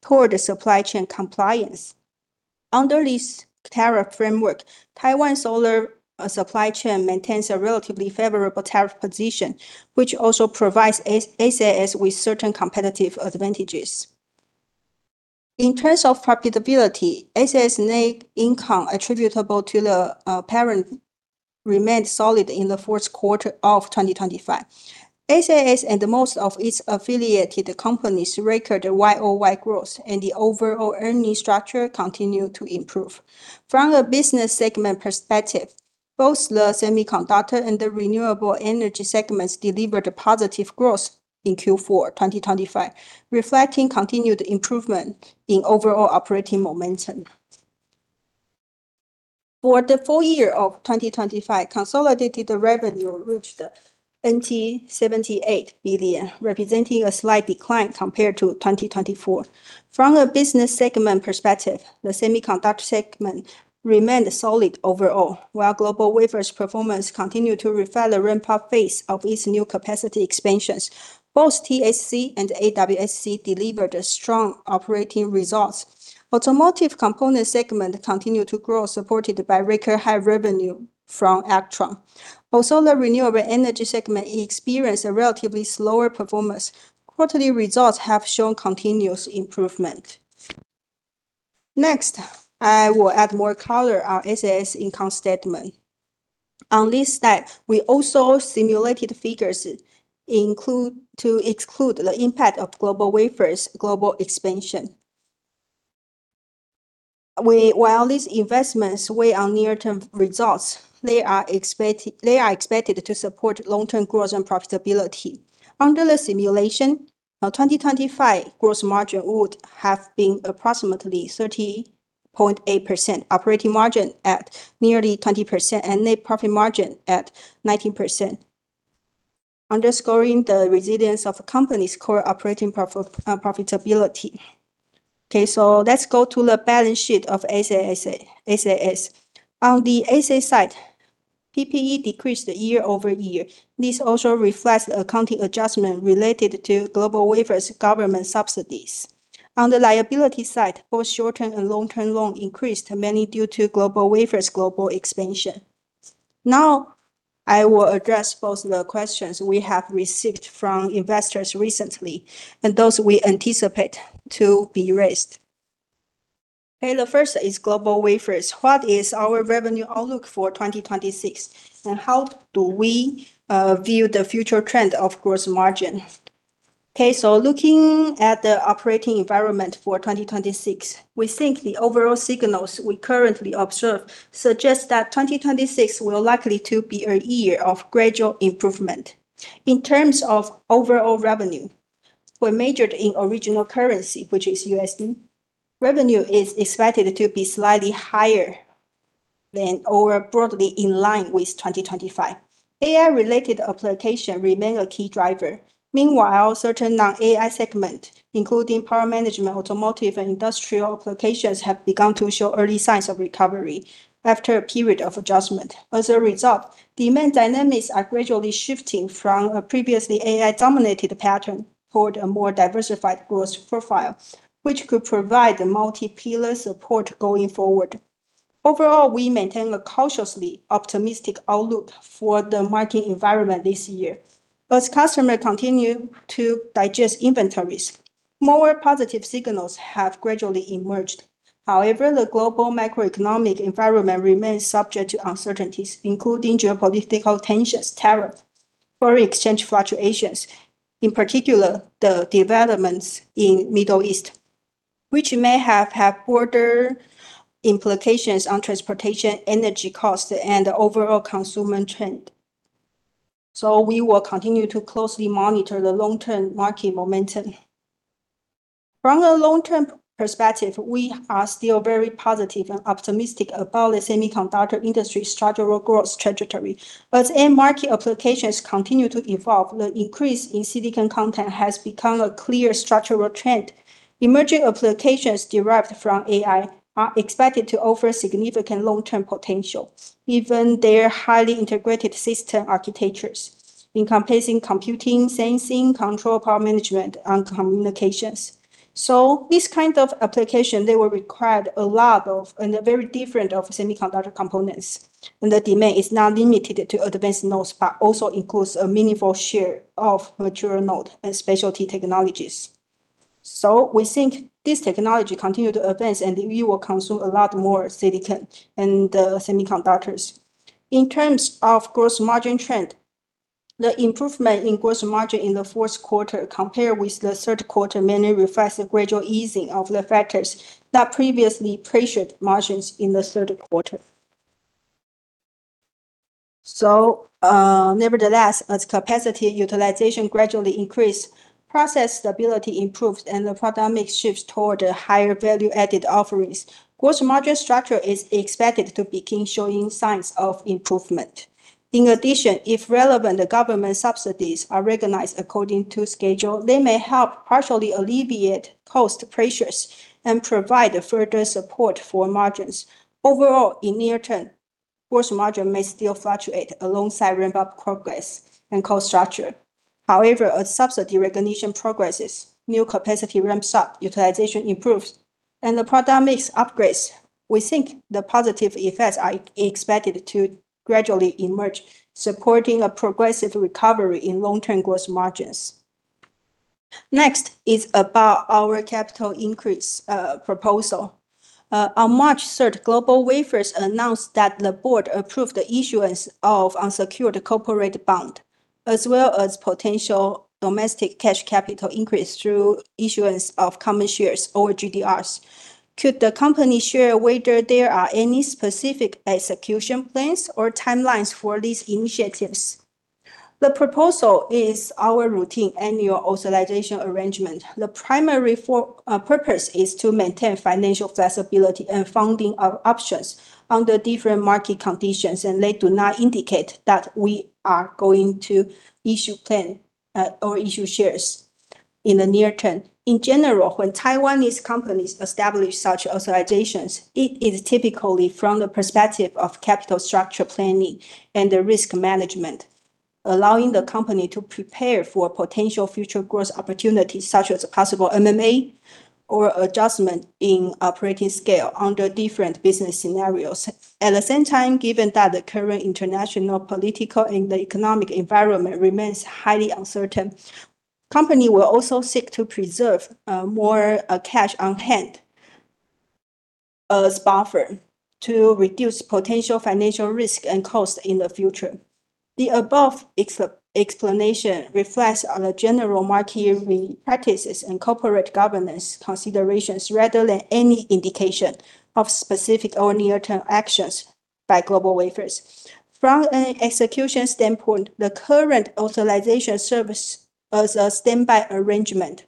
toward the supply chain compliance. Under this tariff framework, Taiwan solar supply chain maintains a relatively favorable tariff position, which also provides SAS with certain competitive advantages. In terms of profitability, SAS net income attributable to the parent remained solid in the fourth quarter of 2025. SAS and most of its affiliated companies recorded YoY growth, and the overall earning structure continued to improve. From a business segment perspective, both the semiconductor and the renewable energy segments delivered a positive growth in Q4 2025, reflecting continued improvement in overall operating momentum. For the full year of 2025, consolidated revenue reached NTD 78 billion, representing a slight decline compared to 2024. From a business segment perspective, the semiconductor segment remained solid overall, while GlobalWafers' performance continued to reflect the ramp-up phase of its new capacity expansions. Both TSC and AWSC delivered strong operating results. Automotive component segment continued to grow, supported by record high revenue from Actron. Also, the renewable energy segment experienced a relatively slower performance. Quarterly results have shown continuous improvement. Next, I will add more color on SAS income statement. On this slide, we also simulated figures to exclude the impact of GlobalWafers' global expansion. While these investments weigh on near-term results, they are expected to support long-term growth and profitability. Under the simulation, 2025 gross margin would have been approximately 30.8%, operating margin at nearly 20%, and net profit margin at 19%, underscoring the resilience of the company's core operating profitability. Okay, let's go to the balance sheet of SAS. On the asset side, PPE decreased year-over-year. This also reflects the accounting adjustment related to GlobalWafers' government subsidies. On the liability side, both short-term and long-term loan increased, mainly due to GlobalWafers' global expansion. Now, I will address both the questions we have received from investors recently and those we anticipate to be raised. Okay, the first is GlobalWafers. What is our revenue outlook for 2026, and how do we view the future trend of gross margin? Okay, so looking at the operating environment for 2026, we think the overall signals we currently observe suggest that 2026 will likely to be a year of gradual improvement. In terms of overall revenue, when measured in original currency, which is USD, revenue is expected to be slightly higher than or broadly in line with 2025. AI-related applications remain a key driver. Meanwhile, certain non-AI segments, including power management, automotive, and industrial applications, have begun to show early signs of recovery after a period of adjustment. As a result, demand dynamics are gradually shifting from a previously AI-dominated pattern toward a more diversified growth profile, which could provide a multi-pillar support going forward. Overall, we maintain a cautiously optimistic outlook for the market environment this year. As customers continue to digest inventories, more positive signals have gradually emerged. However, the global macroeconomic environment remains subject to uncertainties, including geopolitical tensions, tariffs, foreign exchange fluctuations, in particular, the developments in Middle East, which may have broader implications on transportation, energy costs, and overall consumer trends. We will continue to closely monitor the long-term market momentum. From a long-term perspective, we are still very positive and optimistic about the semiconductor industry structural growth trajectory. End market applications continue to evolve. The increase in silicon content has become a clear structural trend. Emerging applications derived from AI are expected to offer significant long-term potential, given their highly integrated system architectures, encompassing computing, sensing, control, power management, and communications. This kind of application, they will require a lot of and very different of semiconductor components, and the demand is not limited to advanced nodes, but also includes a meaningful share of mature node and specialty technologies. We think this technology continue to advance, and we will consume a lot more silicon and semiconductors. In terms of gross margin trend, the improvement in gross margin in the fourth quarter compared with the third quarter mainly reflects the gradual easing of the factors that previously pressured margins in the third quarter. Nevertheless, as capacity utilization gradually increase, process stability improves, and the product mix shifts toward a higher-value-added offerings. Gross margin structure is expected to begin showing signs of improvement. In addition, if relevant government subsidies are recognized according to schedule, they may help partially alleviate cost pressures and provide a further support for margins. Overall, in near term, gross margin may still fluctuate alongside ramp-up progress and cost structure. However, as subsidy recognition progresses, new capacity ramps up, utilization improves, and the product mix upgrades, we think the positive effects are expected to gradually emerge, supporting a progressive recovery in long-term gross margins. Next is about our capital increase proposal. On March 3rd, GlobalWafers announced that the board approved the issuance of unsecured corporate bond, as well as potential domestic cash capital increase through issuance of common shares or GDRs. Could the company share whether there are any specific execution plans or timelines for these initiatives? The proposal is our routine annual authorization arrangement. The primary purpose is to maintain financial flexibility and funding options under different market conditions, and they do not indicate that we are going to issue bonds or issue shares in the near term. In general, when Taiwanese companies establish such authorizations, it is typically from the perspective of capital structure planning and risk management, allowing the company to prepare for potential future growth opportunities, such as possible M&A or adjustment in operating scale under different business scenarios. At the same time, given that the current international political and economic environment remains highly uncertain, company will also seek to preserve more cash on hand buffer to reduce potential financial risk and cost in the future. The above explanation reflects the general market practices and corporate governance considerations, rather than any indication of specific or near-term actions by GlobalWafers. From an execution standpoint, the current authorization serves as a standby arrangement,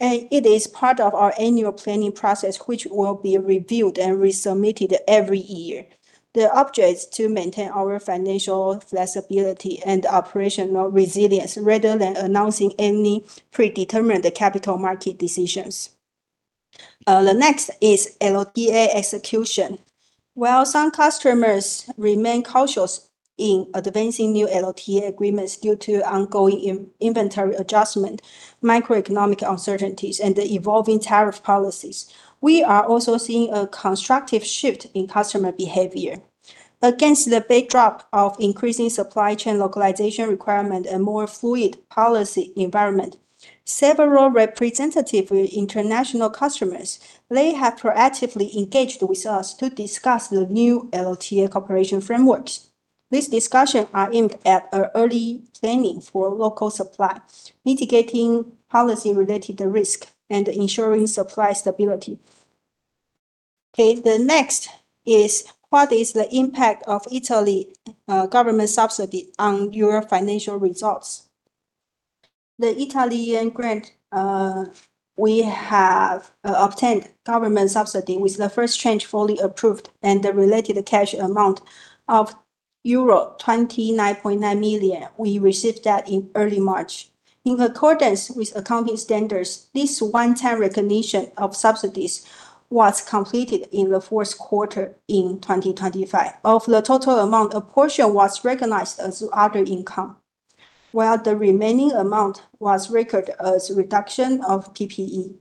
and it is part of our annual planning process, which will be reviewed and resubmitted every year. The object is to maintain our financial flexibility and operational resilience rather than announcing any predetermined capital market decisions. The next is LTA execution. While some customers remain cautious in advancing new LTA agreements due to ongoing inventory adjustment, macroeconomic uncertainties, and the evolving tariff policies, we are also seeing a constructive shift in customer behavior. Against the backdrop of increasing supply chain localization requirement and more fluid policy environment, several representative international customers, they have proactively engaged with us to discuss the new LTA cooperation frameworks. These discussions are aimed at early planning for local supply, mitigating policy-related risk, and ensuring supply stability. Okay, the next is what is the impact of Italian government subsidy on your financial results? The Italian grant we have obtained, a government subsidy, with the first tranche fully approved and the related cash amount of euro 29.9 million. We received that in early March. In accordance with accounting standards, this one-time recognition of subsidies was completed in the fourth quarter in 2025. Of the total amount, a portion was recognized as other income while the remaining amount was recorded as reduction of PPE,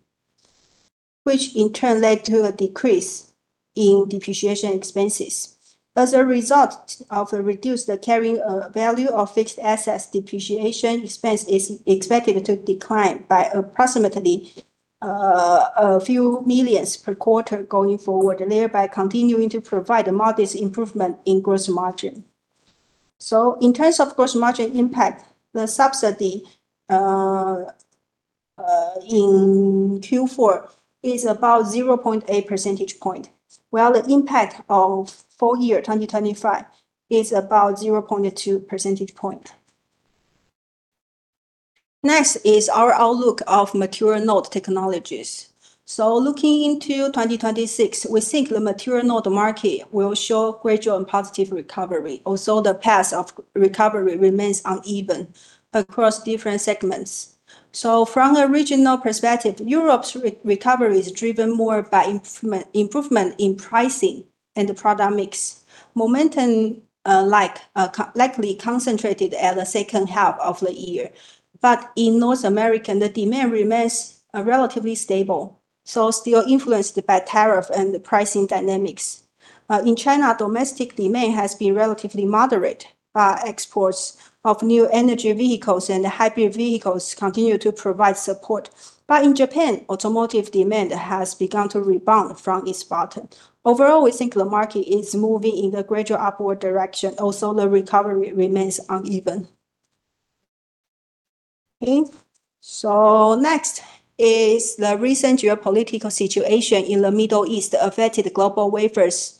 which in turn led to a decrease in depreciation expenses. As a result of a reduced carrying value of fixed assets, depreciation expense is expected to decline by approximately a few million NTD per quarter going forward, thereby continuing to provide a modest improvement in gross margin. In terms of gross margin impact, the subsidy in Q4 is about 0.8 percentage point, while the impact of full year 2025 is about 0.2 percentage point. Next is our outlook of mature node technologies. Looking into 2026, we think the mature node market will show gradual and positive recovery, although the path of recovery remains uneven across different segments. From a regional perspective, Europe's recovery is driven more by improvement in pricing and product mix. Momentum likely concentrated at the second half of the year. In North America, the demand remains relatively stable, so still influenced by tariff and the pricing dynamics. In China, domestic demand has been relatively moderate. Exports of new energy vehicles and hybrid vehicles continue to provide support. In Japan, automotive demand has begun to rebound from its bottom. Overall, we think the market is moving in a gradual upward direction, although the recovery remains uneven. Okay. Next is the recent geopolitical situation in the Middle East affected GlobalWafers'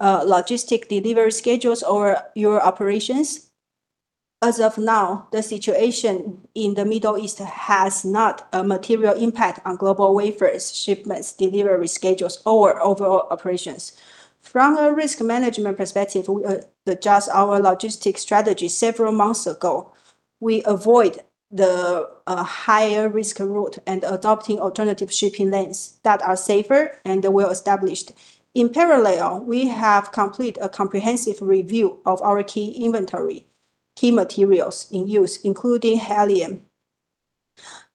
logistics delivery schedules or your operations? As of now, the situation in the Middle East has not a material impact on GlobalWafers' shipments, delivery schedules, or overall operations. From a risk management perspective, we adjust our logistics strategy several months ago. We avoid the higher risk route and adopting alternative shipping lanes that are safer and well established. In parallel, we have completed a comprehensive review of our key inventory, key materials in use, including helium.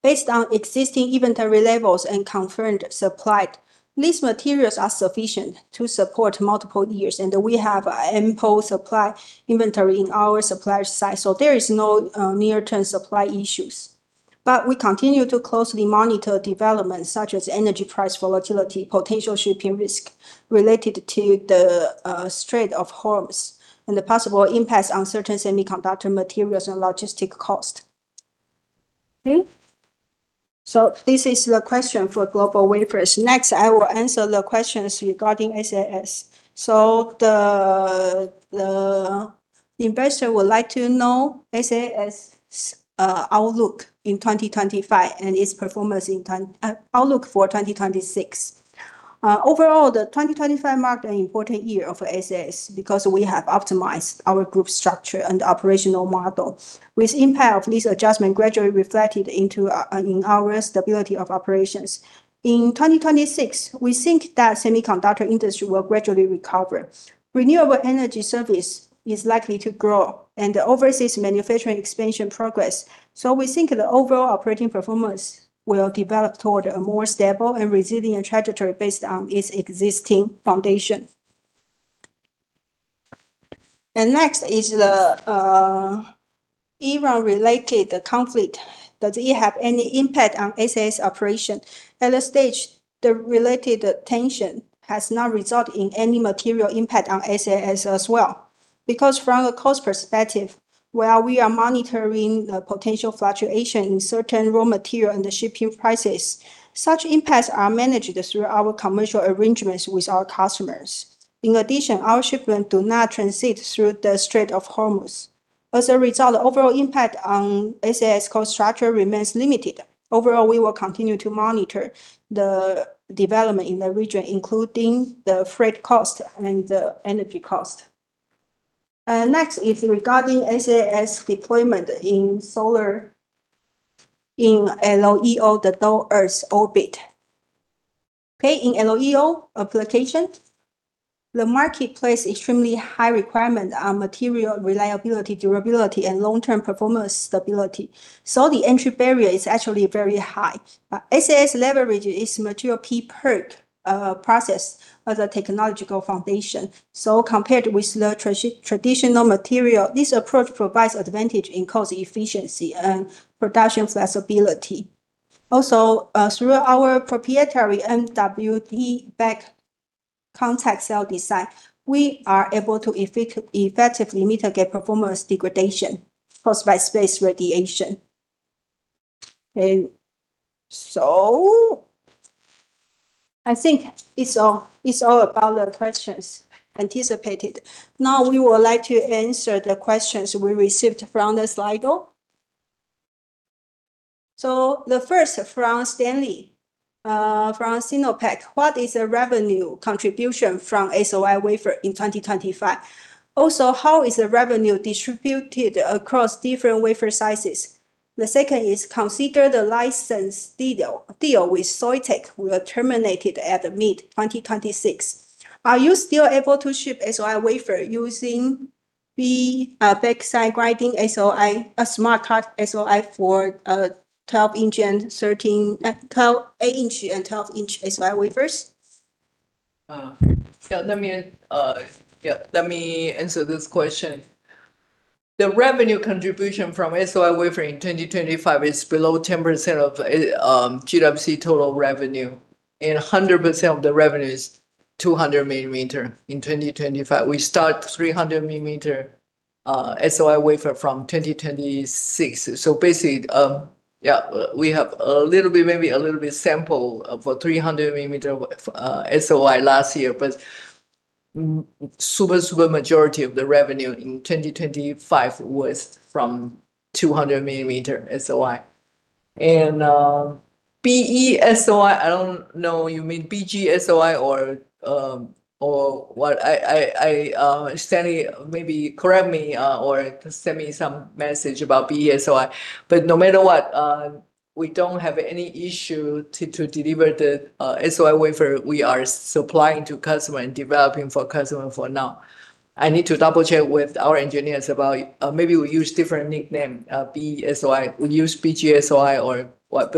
Based on existing inventory levels and confirmed supply, these materials are sufficient to support multiple years, and we have ample supply inventory in our supplier site. There is no near-term supply issues. We continue to closely monitor developments such as energy price volatility, potential shipping risk related to the Strait of Hormuz, and the possible impacts on certain semiconductor materials and logistics costs. Okay. This is the question for GlobalWafers. Next, I will answer the questions regarding SAS. The investor would like to know SAS' outlook in 2025 and outlook for 2026. Overall, the 2025 marked an important year for SAS because we have optimized our group structure and operational model, with impact of this adjustment gradually reflected into our stability of operations. In 2026, we think that semiconductor industry will gradually recover. Renewable energy service is likely to grow and overseas manufacturing expansion progress, so we think the overall operating performance will develop toward a more stable and resilient trajectory based on its existing foundation. Next is the Iran related conflict. Does it have any impact on SAS operation? At this stage, the related tension has not resulted in any material impact on SAS as well. Because from a cost perspective, while we are monitoring the potential fluctuation in certain raw material and the shipping prices, such impacts are managed through our commercial arrangements with our customers. In addition, our shipment do not transit through the Strait of Hormuz. As a result, the overall impact on SAS cost structure remains limited. Overall, we will continue to monitor the development in the region, including the freight cost and the energy cost. Next is regarding SAS deployment in solar. In LEO, the low Earth orbit. In LEO application, the marketplace has extremely high requirements on material reliability, durability, and long-term performance stability. The entry barrier is actually very high. SAS leverages its material PERC process as a technological foundation. Compared with the traditional material, this approach provides advantage in cost efficiency and production flexibility. Also, through our proprietary MWT back contact cell design, we are able to effectively mitigate performance degradation caused by space radiation. I think it's all about the questions anticipated. Now we would like to answer the questions we received from the Slido. The first from Stanley from SinoPac. "What is the revenue contribution from SOI wafer in 2025? How is the revenue distributed across different wafer sizes? The second is to consider the license deal with Soitec will terminate at mid-2026. Are you still able to ship SOI wafer using the backside grinding SOI, a Smart Cut SOI for 8-inch and 12-inch SOI wafers?" Let me answer this question. The revenue contribution from SOI wafer in 2025 is below 10% of GWC total revenue, and 100% of the revenue is 200 mm. In 2025, we start 300 mm SOI wafer from 2026. Basically, we have maybe a little bit sample of a 300 mm SOI last year, but super majority of the revenue in 2025 was from 200 mm SOI. BESOI, I don't know you mean BGSOI or what. Stanley, maybe correct me or send me some message about BESOI. No matter what, we don't have any issue to deliver the SOI wafer we are supplying to customer and developing for customer for now. I need to double-check with our engineers about maybe we use different nickname, BESOI. We use BGSOI, but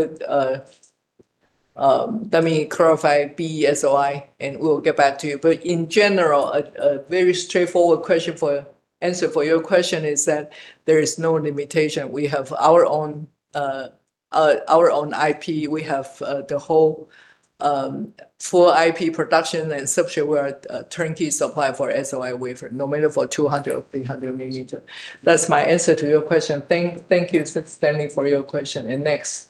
let me clarify BESOI, and we'll get back to you. In general, a very straightforward answer for your question is that there is no limitation. We have our own IP. We have the whole full IP production and substrate turnkey supply for SOI wafer, no matter for 200 mm or 300 mm. That's my answer to your question. Thank you, Stanley for your question. Next?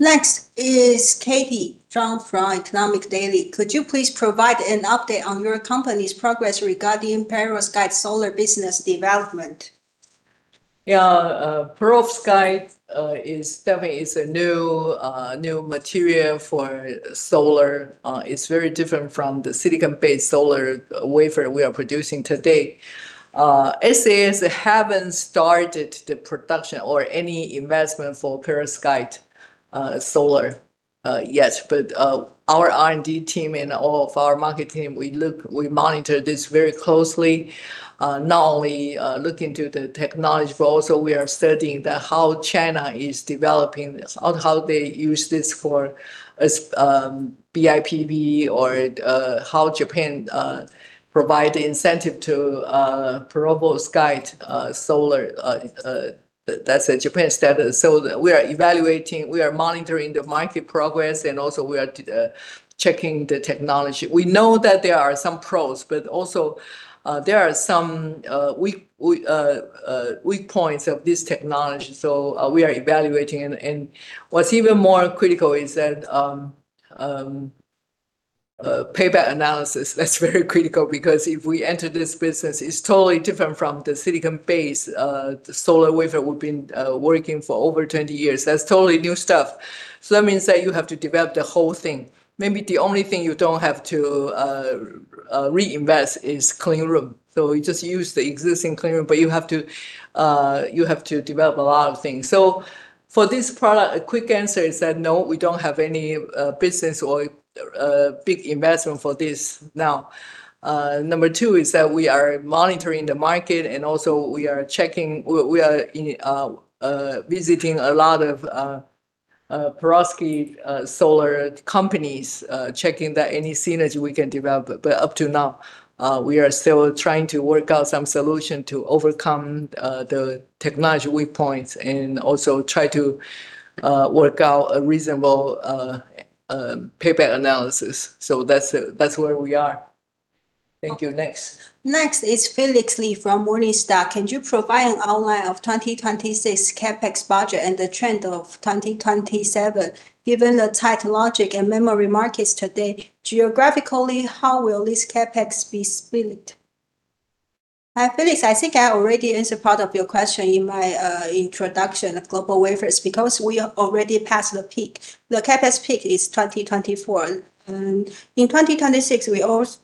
Next is Katie Chung from Economic Daily. "Could you please provide an update on your company's progress regarding perovskite solar business development?" Yeah, perovskite is definitely a new material for solar. It's very different from the silicon-based solar wafer we are producing today. SES haven't started the production or any investment for perovskite solar yet. Our R&D team and all of our market team monitor this very closely. Not only looking at the technology, but also we are studying how China is developing this or how they use this for BIPV or how Japan provide the incentive to perovskite solar. That's Japan's status. We are evaluating, we are monitoring the market progress, and also we are checking the technology. We know that there are some pros, but also, there are some weak points of this technology, so we are evaluating. What's even more critical is that payback analysis. That's very critical because if we enter this business, it's totally different from the silicon-based solar wafer we've been working for over 20 years. That's totally new stuff. That means that you have to develop the whole thing. Maybe the only thing you don't have to reinvest is clean room. You just use the existing clean room, but you have to develop a lot of things. For this product, a quick answer is that no, we don't have any business or big investment for this now. Number two is that we are monitoring the market, and also we are visiting a lot of perovskite solar companies, checking that any synergy we can develop. Up to now, we are still trying to work out some solution to overcome the technology weak points and also try to work out a reasonable payback analysis. That's where we are. Thank you. Next. Next is Phelix Lee from Morningstar. "Can you provide an outline of 2026 CapEx budget and the trend of 2027, given the tight logic and memory markets today? Geographically, how will this CapEx be split?" Phelix, I think I already answered part of your question in my introduction of GlobalWafers because we are already past the peak. The CapEx peak is 2024. In 2026,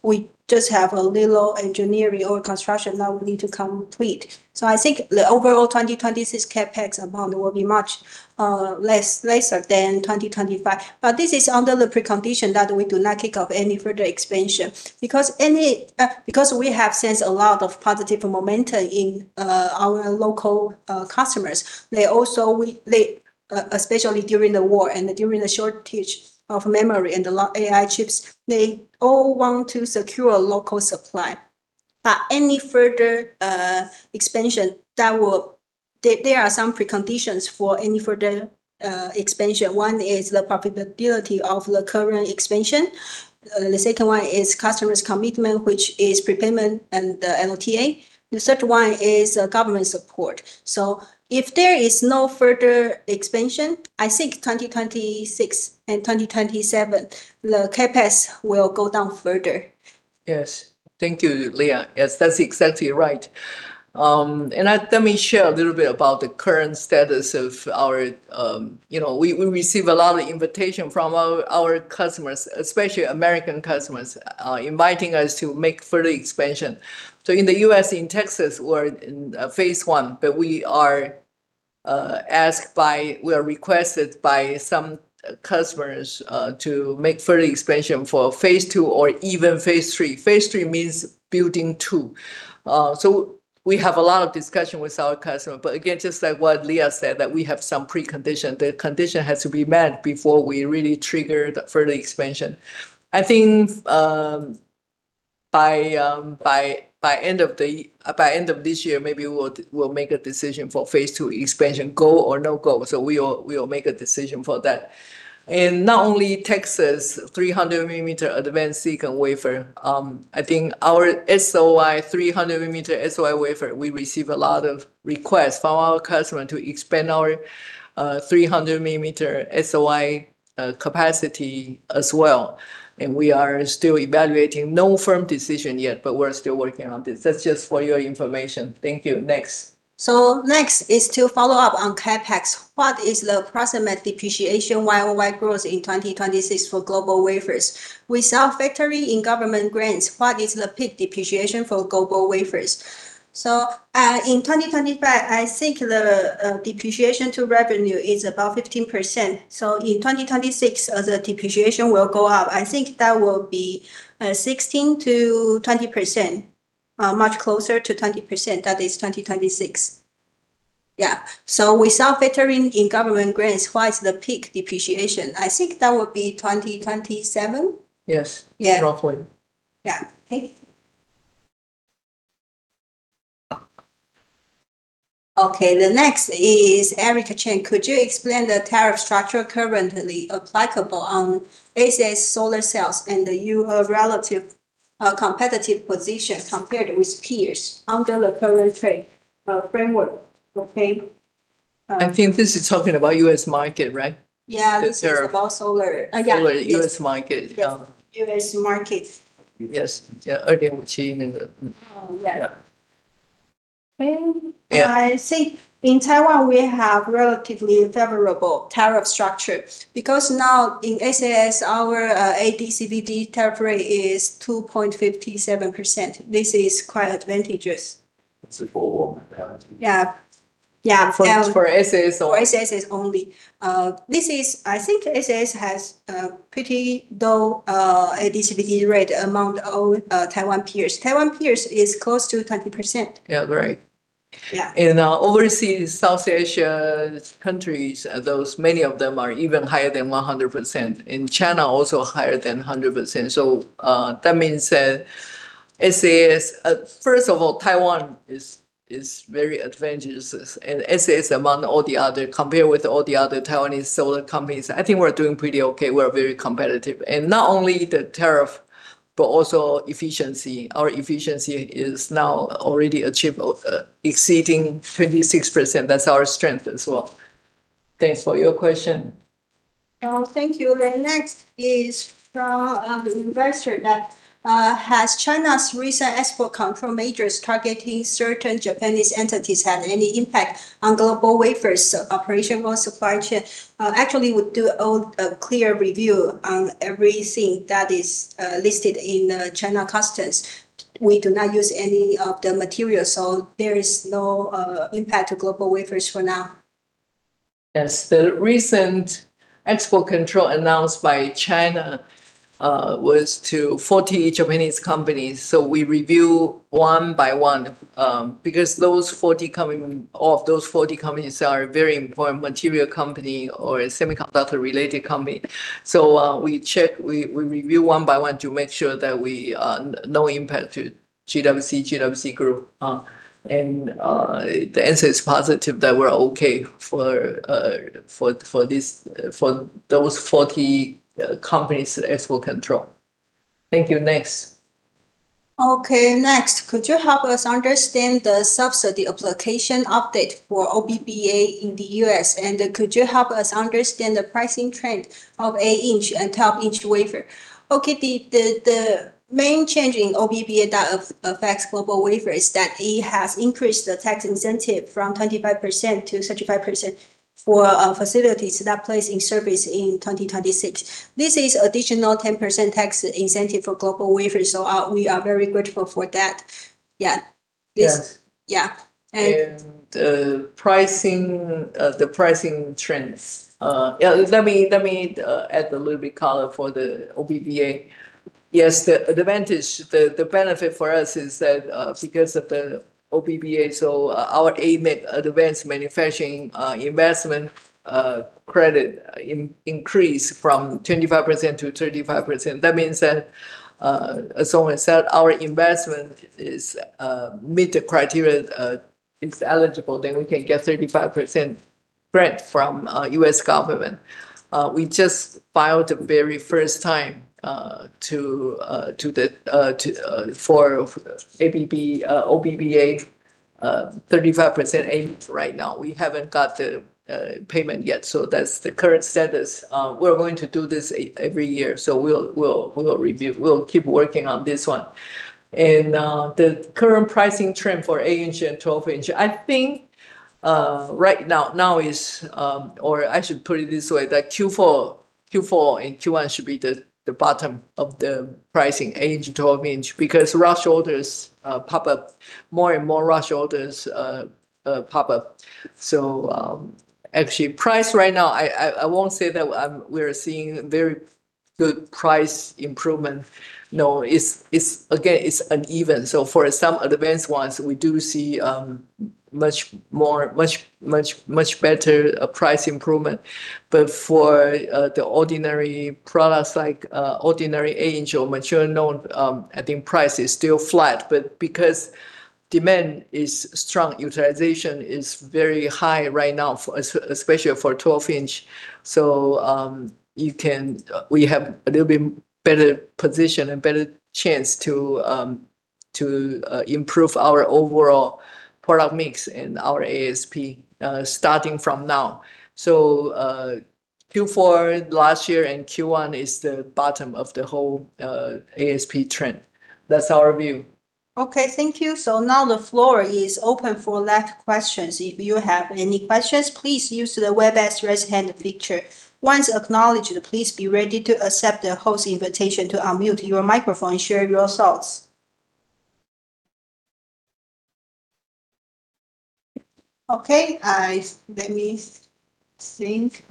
we just have a little engineering or construction that we need to complete. I think the overall 2026 CapEx amount will be much less than 2025. This is under the precondition that we do not kick off any further expansion. Because we have sensed a lot of positive momentum in our local customers especially during the war and during the shortage of memory and the AI chips, they all want to secure local supply. There are some preconditions for any further expansion. One is the profitability of the current expansion. The second one is customer's commitment, which is prepayment and the LTA. The third one is government support. If there is no further expansion, I think 2026 and 2027, the CapEx will go down further. Thank you, Leah. Yes, that's exactly right. And let me share a little bit about the current status of our- we receive a lot of invitation from our customers, especially American customers, inviting us to make further expansion. In the U.S., in Texas, we're in phase I, but we are requested by some customers to make further expansion for phase II or even phase III. Phase III means building two. We have a lot of discussion with our customer, but again, just like what Leah said, that we have some precondition. The condition has to be met before we really trigger the further expansion. I think by end of this year, maybe we'll make a decision for phase II expansion, go or no go. We'll make a decision for that. Not only Texas 300 mm advanced silicon wafer, I think our SOI, 300 mm SOI wafer, we receive a lot of requests from our customer to expand our 300 mm SOI capacity as well, and we are still evaluating. No firm decision yet, but we're still working on this. That's just for your information. Thank you. Next. Next is to follow up on CapEx. "What is the approximate depreciation YoY growth in 2026 for GlobalWafers without factory and government grants? What is the peak depreciation for GlobalWafers?" In 2025, I think the depreciation to revenue is about 15%. In 2026, the depreciation will go up. I think that will be 16%-20%, much closer to 20%. That is 2026. Without factoring in government grants, what is the peak depreciation? I think that would be 2027. Yes. Roughly. Yeah. Thank you. Okay, the next is Erica Chen: "Could you explain the tariff structure currently applicable on SAS solar cells and your relative, competitive position compared with peers under the current trade, framework?" Okay. I think this is talking about U.S. market, right? Yeah. The tariff. This is about solar. Solar U.S. market? U.S. market. Yes. Yeah. I think in Taiwan, we have relatively favorable tariff structure because now in SAS, our AD/CVD tariff rate is 2.57%. This is quite advantageous. Yeah. For SAS or? For SAS only. I think SAS has a pretty low AD/CVD rate among all Taiwan peers. Taiwan peers is close to 20%. Yeah, right. In overseas South Asia's countries, many of them are even higher than 100%. In China, also higher than 100%. That means that SAS first of all, Taiwan is very advantageous, and SAS among all the other, compared with all the other Taiwanese solar companies, I think we're doing pretty okay. We're very competitive. Not only the tariff, but also efficiency. Our efficiency is now already achieved exceeding 56%. That's our strength as well. Thanks for your question. Oh, thank you. The next is from an investor that has China's recent export control measures targeting certain Japanese entities had any impact on GlobalWafers' operation or supply chain? Actually, we do a clear review on everything that is listed in the China customs. We do not use any of the materials, so there is no impact to GlobalWafers for now. Yes. The recent export control announced by China was to 40 Japanese companies, so we review one by one, because those 40 companies are very important material company or a semiconductor-related company. We review one by one to make sure that we no impact to GWC group. The answer is positive, that we're okay for this, for those 40 companies export control. Thank you. Next? Okay. Next. "Could you help us understand the subsidy application update for OBBA in the U.S., and could you help us understand the pricing trend of 8-inch and 12-inch wafer?" Okay. The main change in OBBA that affects GlobalWafers is that it has increased the tax incentive from 25%-35% for facilities that place in service in 2026. This is additional 10% tax incentive for GlobalWafers, so we are very grateful for that. Yes. The pricing trends. Let me add a little bit color for the OBBA. Yes, the advantage, the benefit for us is that, because of the OBBA, our AMIC, Advanced Manufacturing Investment Credit increase from 25%-35%. That means that, as I already said, our investment is meet the criteria, it's eligible, then we can get 35% grant from U.S. government. We just filed the very first time for OBBA 35% aid right now. We haven't got the payment yet, so that's the current status. We're going to do this every year, so we'll review. We'll keep working on this one. The current pricing trend for 8-inch and 12-inch, I think, right now is. Or I should put it this way, that Q4 and Q1 should be the bottom of the pricing 8-inch, 12-inch because rush orders pop up more and more. Actually, price right now I won't say that we're seeing very good price improvement. No, it's again, it's uneven. For some advanced ones, we do see much more much better price improvement. But for the ordinary products like ordinary or mature-node, I think price is still flat. Because demand is strong, utilization is very high right now especially for 12-inch. We have a little bit better position and better chance to improve our overall product mix and our ASP, starting from now. Q4 last year and Q1 is the bottom of the whole ASP trend. That's our view. Okay, thank you. Now the floor is open for live questions. If you have any questions, please use the Webex raise hand feature. Once acknowledged, please be ready to accept the host invitation to unmute your microphone and share your thoughts. Okay. Let me think.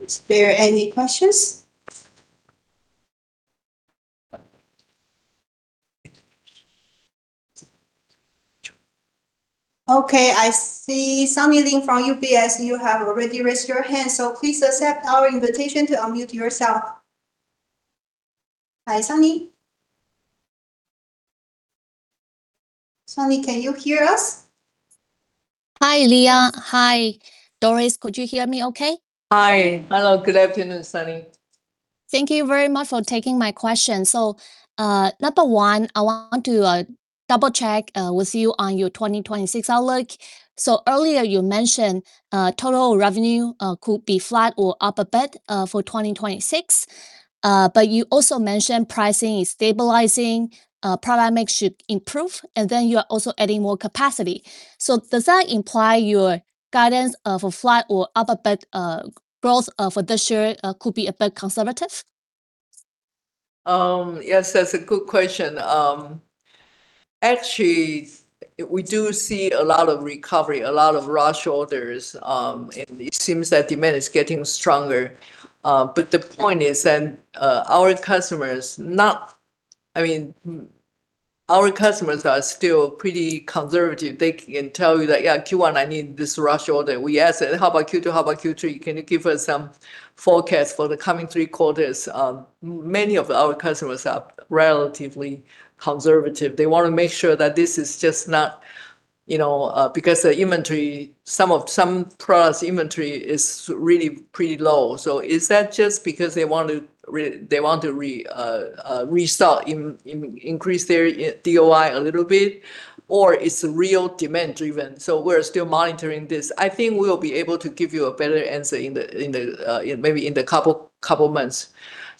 Is there any questions? Okay, I see Sunny Lin from UBS. You have already raised your hand, so please accept our invitation to unmute yourself. Hi, Sunny. Sunny, can you hear us? Hi, Leah. Hi, Doris. Could you hear me okay? Hi. Hello. Good afternoon, Sunny. Thank you very much for taking my question. Number one, I want to double-check with you on your 2026 outlook. Earlier you mentioned total revenue could be flat or up a bit for 2026. But you also mentioned pricing is stabilizing, product mix should improve, and then you are also adding more capacity. Does that imply your guidance of a flat or up a bit growth for this year could be a bit conservative? Yes, that's a good question. Actually, we do see a lot of recovery, a lot of rush orders, and it seems that demand is getting stronger. The point is then, our customers, I mean, our customers are still pretty conservative. They can tell you that, "Yeah, Q1, I need this rush order." We ask, "How about Q2? How about Q3? Can you give us some forecast for the coming three quarters?" Many of our customers are relatively conservative. They wanna make sure that this is just not, you know, because the inventory, some products' inventory is really pretty low. Is that just because they want to increase their DOI a little bit, or it's real demand driven? We're still monitoring this. I think we'll be able to give you a better answer, maybe in a couple months.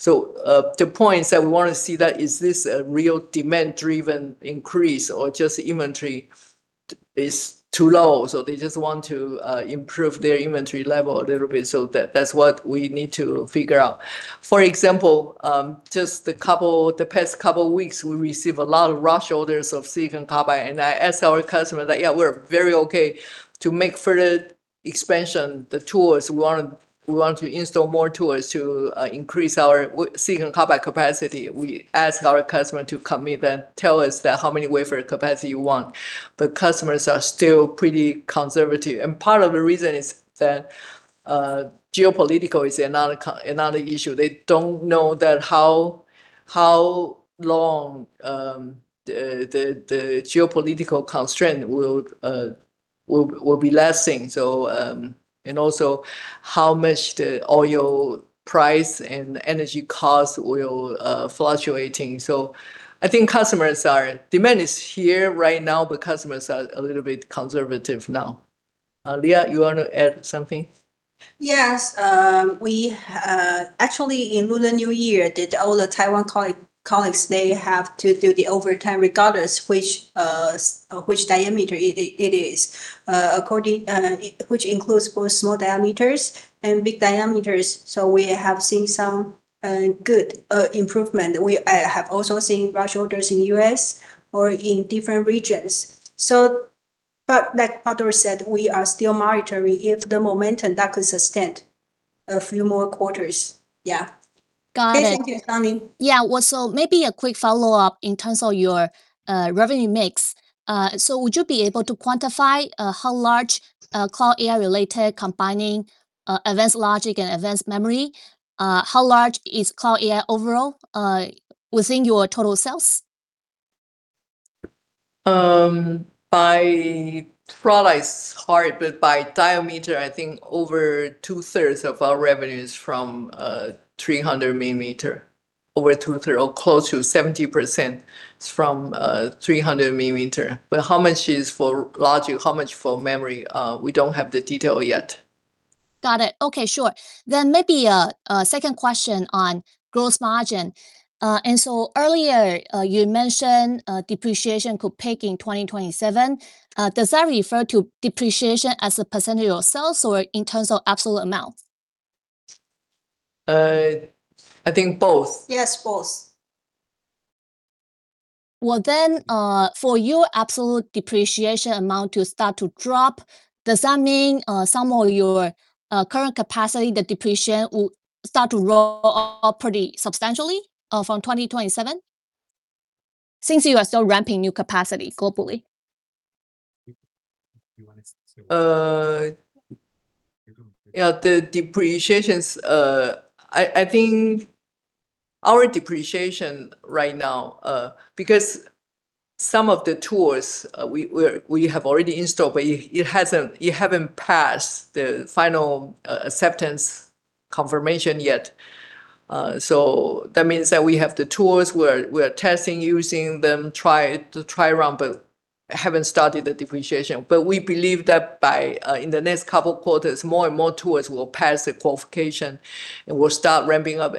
The points that we wanna see is this a real demand driven increase or just inventory is too low, so they just want to improve their inventory level a little bit. That's what we need to figure out. For example, just the past couple weeks, we receive a lot of rush orders of silicon carbide, and I ask our customer that yeah, we're very okay to make further expansion, the tools we want to install more tools to increase our silicon carbide capacity. We ask our customer to commit and tell us that how many wafer capacity you want. The customers are still pretty conservative, and part of the reason is that geopolitics is another issue. They don't know how long the geopolitical constraint will be lasting. Also, how much the oil price and energy cost will fluctuating. I think demand is here right now, but customers are a little bit conservative now. Leah, you wanna add something? Yes. We actually in Lunar New Year, all the Taiwan colleagues, they have to do the overtime regardless which diameter it is according which includes both small diameters and big diameters. We have seen some good improvement. We have also seen rush orders in the U.S. or in different regions. But like Doris said, we are still monitoring if the momentum that could sustain a few more quarters. Yeah. Got it. Thank you, Sunny. Yeah. Well, maybe a quick follow-up in terms of your revenue mix. Would you be able to quantify how large cloud AI related, combining advanced logic and advanced memory, is overall within your total sales? By products, it's hard, but by diameter, I think over 2/3 of our revenue is from 300 mm. Over 2/3 or close to 70% is from 300 mm. How much is for logic, how much for memory? We don't have the detail yet. Got it. Okay, sure. Maybe a second question on gross margin. Earlier, you mentioned depreciation could peak in 2027. Does that refer to depreciation as a percentage of sales or in terms of absolute amount? I think both. Yes, both. Well, for your absolute depreciation amount to start to drop, does that mean some of your current capacity, the depreciation will start to roll off pretty substantially from 2027? Since you are still ramping new capacity globally. I think our depreciation right now, because some of the tools we have already installed, but they haven't passed the final acceptance confirmation yet. That means that we have the tools. We're testing using them, trying to run, but haven't started the depreciation. We believe that within the next couple quarters, more and more tools will pass the qualification, and we'll start ramping up.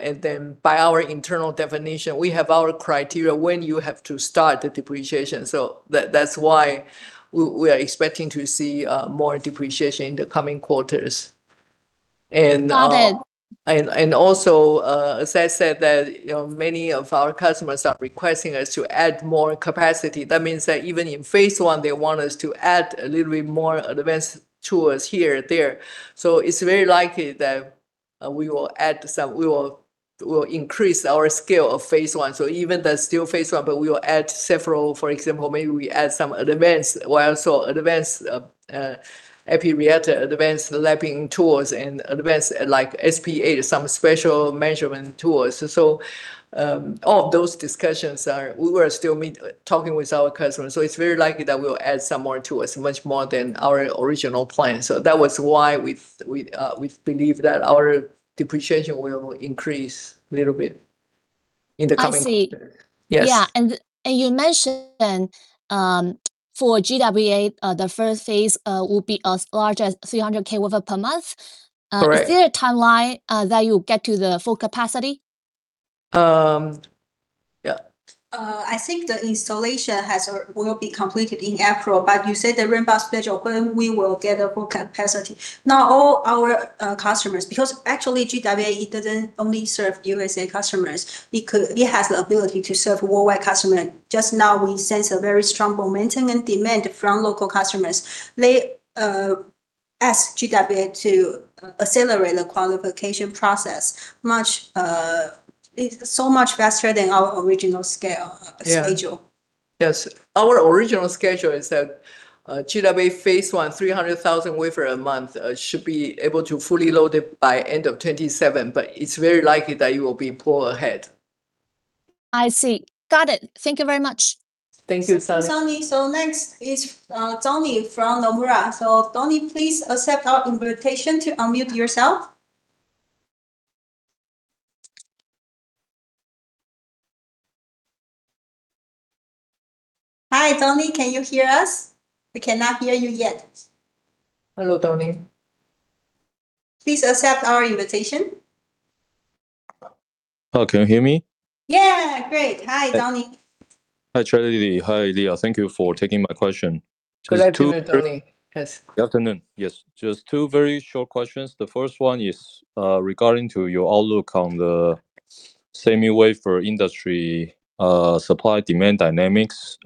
By our internal definition, we have our criteria when you have to start the depreciation. That's why we are expecting to see more depreciation in the coming quarters. Got it. Also, as I said, that, you know, many of our customers are requesting us to add more capacity. That means that even in phase I, they want us to add a little bit more advanced tools here, there. It's very likely that we will increase our scale of phase I. Even that's still phase I, but we will add several. For example, maybe we add some advanced epi reactor, advanced lapping tools, and advanced, like, SP1, some special measurement tools. All of those discussions, we're still talking with our customers, so it's very likely that we'll add some more tools, much more than our original plan. That was why we believe that our depreciation will increase a little bit in the coming quarter. I see. You mentioned for GWA the first phase will be as large as 300,000 wafers per month? Correct. Is there a timeline, that you'll get to the full capacity? Yeah. I think the installation has or will be completed in April. You said the ramp-up schedule, when we will get a full capacity. Not all our customers, because actually GWA, it doesn't only serve USA customers. It has the ability to serve worldwide customer. Just now we sense a very strong momentum and demand from local customers. They ask GWA to accelerate the qualification process much so much faster than our original schedule. Our original schedule is that GWA phase I, 300,000 wafer a month, should be able to fully load it by end of 2027. It's very likely that it will be pulled ahead. I see. Got it. Thank you very much. Thank you. Thank you, Sunny. Next is Donnie from Nomura. Donnie, please accept our invitation to unmute yourself. Hi, Donnie. Can you hear us? We cannot hear you yet. Hello, Donnie. Please accept our invitation. Hello, can you hear me? Yeah. Great. Hi, Donnie. Hi, Chairlady. Hi, Leah. Thank you for taking my question. Just two- Glad to, Donnie. Yes. Good afternoon. Yes, just two very short questions. The first one is regarding your outlook on the semi-wafer industry, supply-demand dynamics.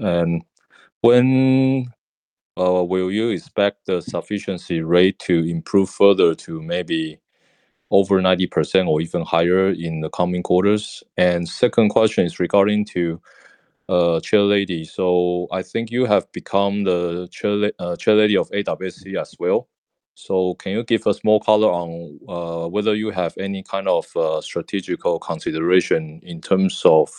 When will you expect the sufficiency rate to improve further to maybe over 90% or even higher in the coming quarters? Second question is regarding to Chairlady. I think you have become the Chairlady of AWSC as well. Can you give us more color on whether you have any kind of strategic consideration in terms of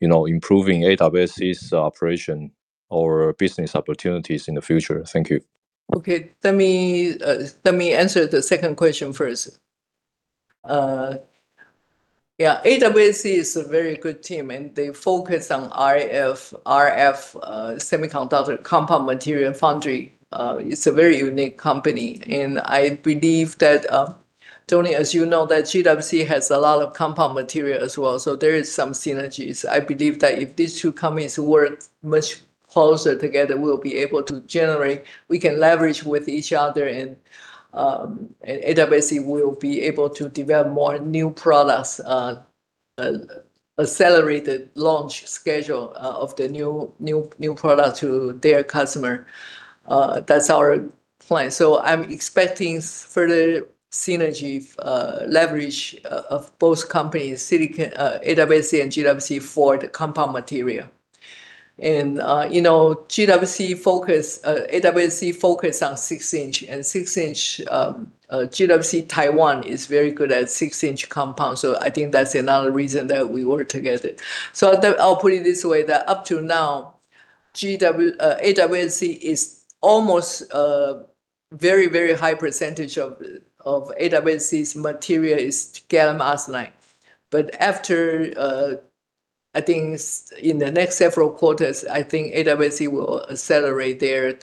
you know, improving AWSC's operation or business opportunities in the future? Thank you. Okay. Let me answer the second question first. Yeah. AWSC is a very good team, and they focus on RF semiconductor compound material foundry. It's a very unique company, and I believe that, Donnie, as you know, that GWC has a lot of compound material as well, so there is some synergies. I believe that if these two companies work much closer together, we'll be able to generate. We can leverage with each other, and AWSC will be able to develop more new products, accelerated launch schedule, of the new product to their customer. That's our plan. I'm expecting further synergy, leverage, of both companies, AWSC and GWC for the compound material. You know, GWC focuses, AWSC focuses on 6-inch, GWC Taiwan is very good at 6-inch compound. I think that's another reason that we work together. I'll put it this way, that up to now, AWSC is almost very high percentage of AWSC's material is gallium arsenide. But after, I think in the next several quarters, I think AWSC will accelerate their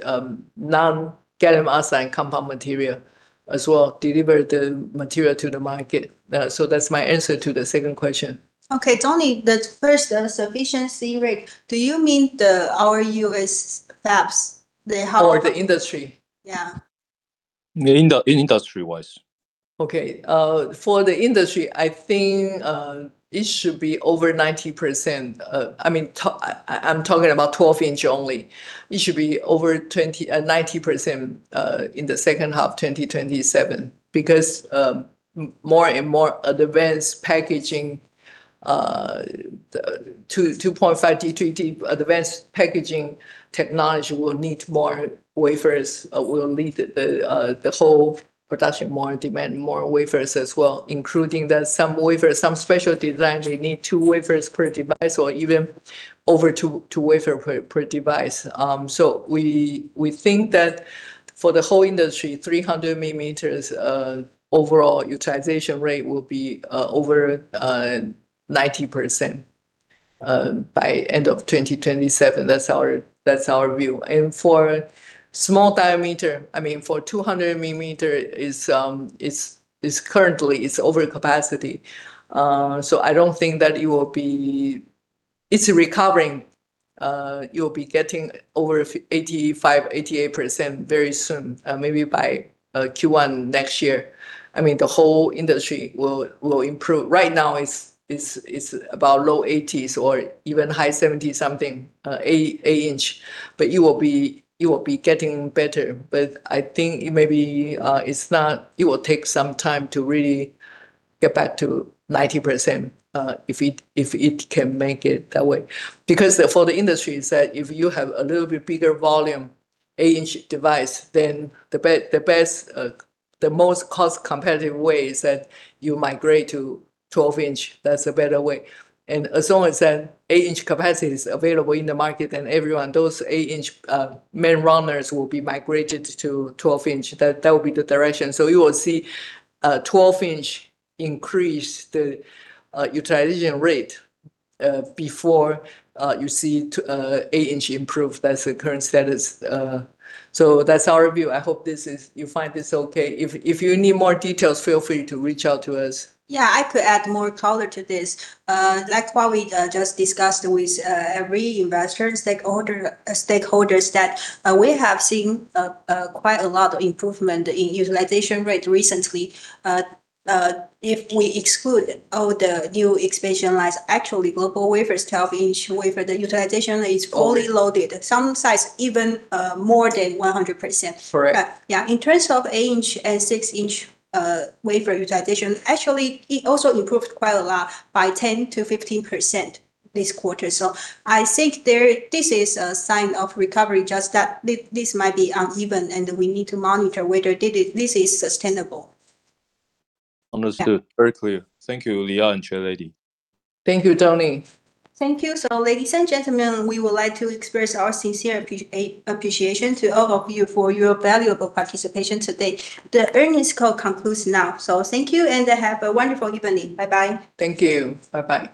non-gallium arsenide compound material as well, deliver the material to the market. That's my answer to the second question. Okay, Donnie, the first sufficiency rate. Do you mean our U.S. fabs, they have. For the industry. Yeah. Meaning industry-wise. Okay. For the industry, I think it should be over 90%. I mean I'm talking about 12-inch only. It should be over 90% in the second half 2027 because more and more advanced packaging 2.5D-3D advanced packaging technology will need more wafers. Will need the whole production more demand more wafers as well, including some wafers some special designs they need two wafers per device or even over two wafers per device. So we think that for the whole industry, 300 mm overall utilization rate will be over 90% by end of 2027. That's our view. For small diameter, I mean for 200 mm is currently it's over capacity. I don't think that it will be. It's recovering. You'll be getting over 85%-88% very soon, maybe by Q1 next year. I mean, the whole industry will improve. Right now it's about low 80s or even high 70s something, 8-inch. But you will be getting better. But I think maybe it's not. It will take some time to really get back to 90%, if it can make it that way. Because for the industry, it's that if you have a little bit bigger volume 8-inch device, then the best, the most cost competitive way is that you migrate to 12-inch. That's a better way. As long as that 8-inch capacity is available in the market, then everyone, those 8-inch main runners will be migrated to 12-inch. That will be the direction. You will see 12-inch increase the utilization rate before you see 8-inch improve. That's the current status. That's our view. I hope you find this okay. If you need more details, feel free to reach out to us. Yeah, I could add more color to this. Like what we just discussed with every investor and stakeholder that we have seen, quite a lot of improvement in utilization rate recently. If we exclude all the new expansion lines, actually GlobalWafers, 12-inch wafer, the utilization is fully loaded. Some sites even more than 100%. Correct. Yeah. In terms of eight-inch and six-inch wafer utilization, actually it also improved quite a lot, by 10%-15% this quarter. I think there, this is a sign of recovery, just that this might be uneven, and we need to monitor whether this is sustainable. Understood. Yeah. Very clear. Thank you, Leah and Chairlady. Thank you, Donnie. Thank you. Ladies and gentlemen, we would like to express our sincere appreciation to all of you for your valuable participation today. The earnings call concludes now. Thank you and have a wonderful evening. Bye-bye. Thank you. Bye-bye.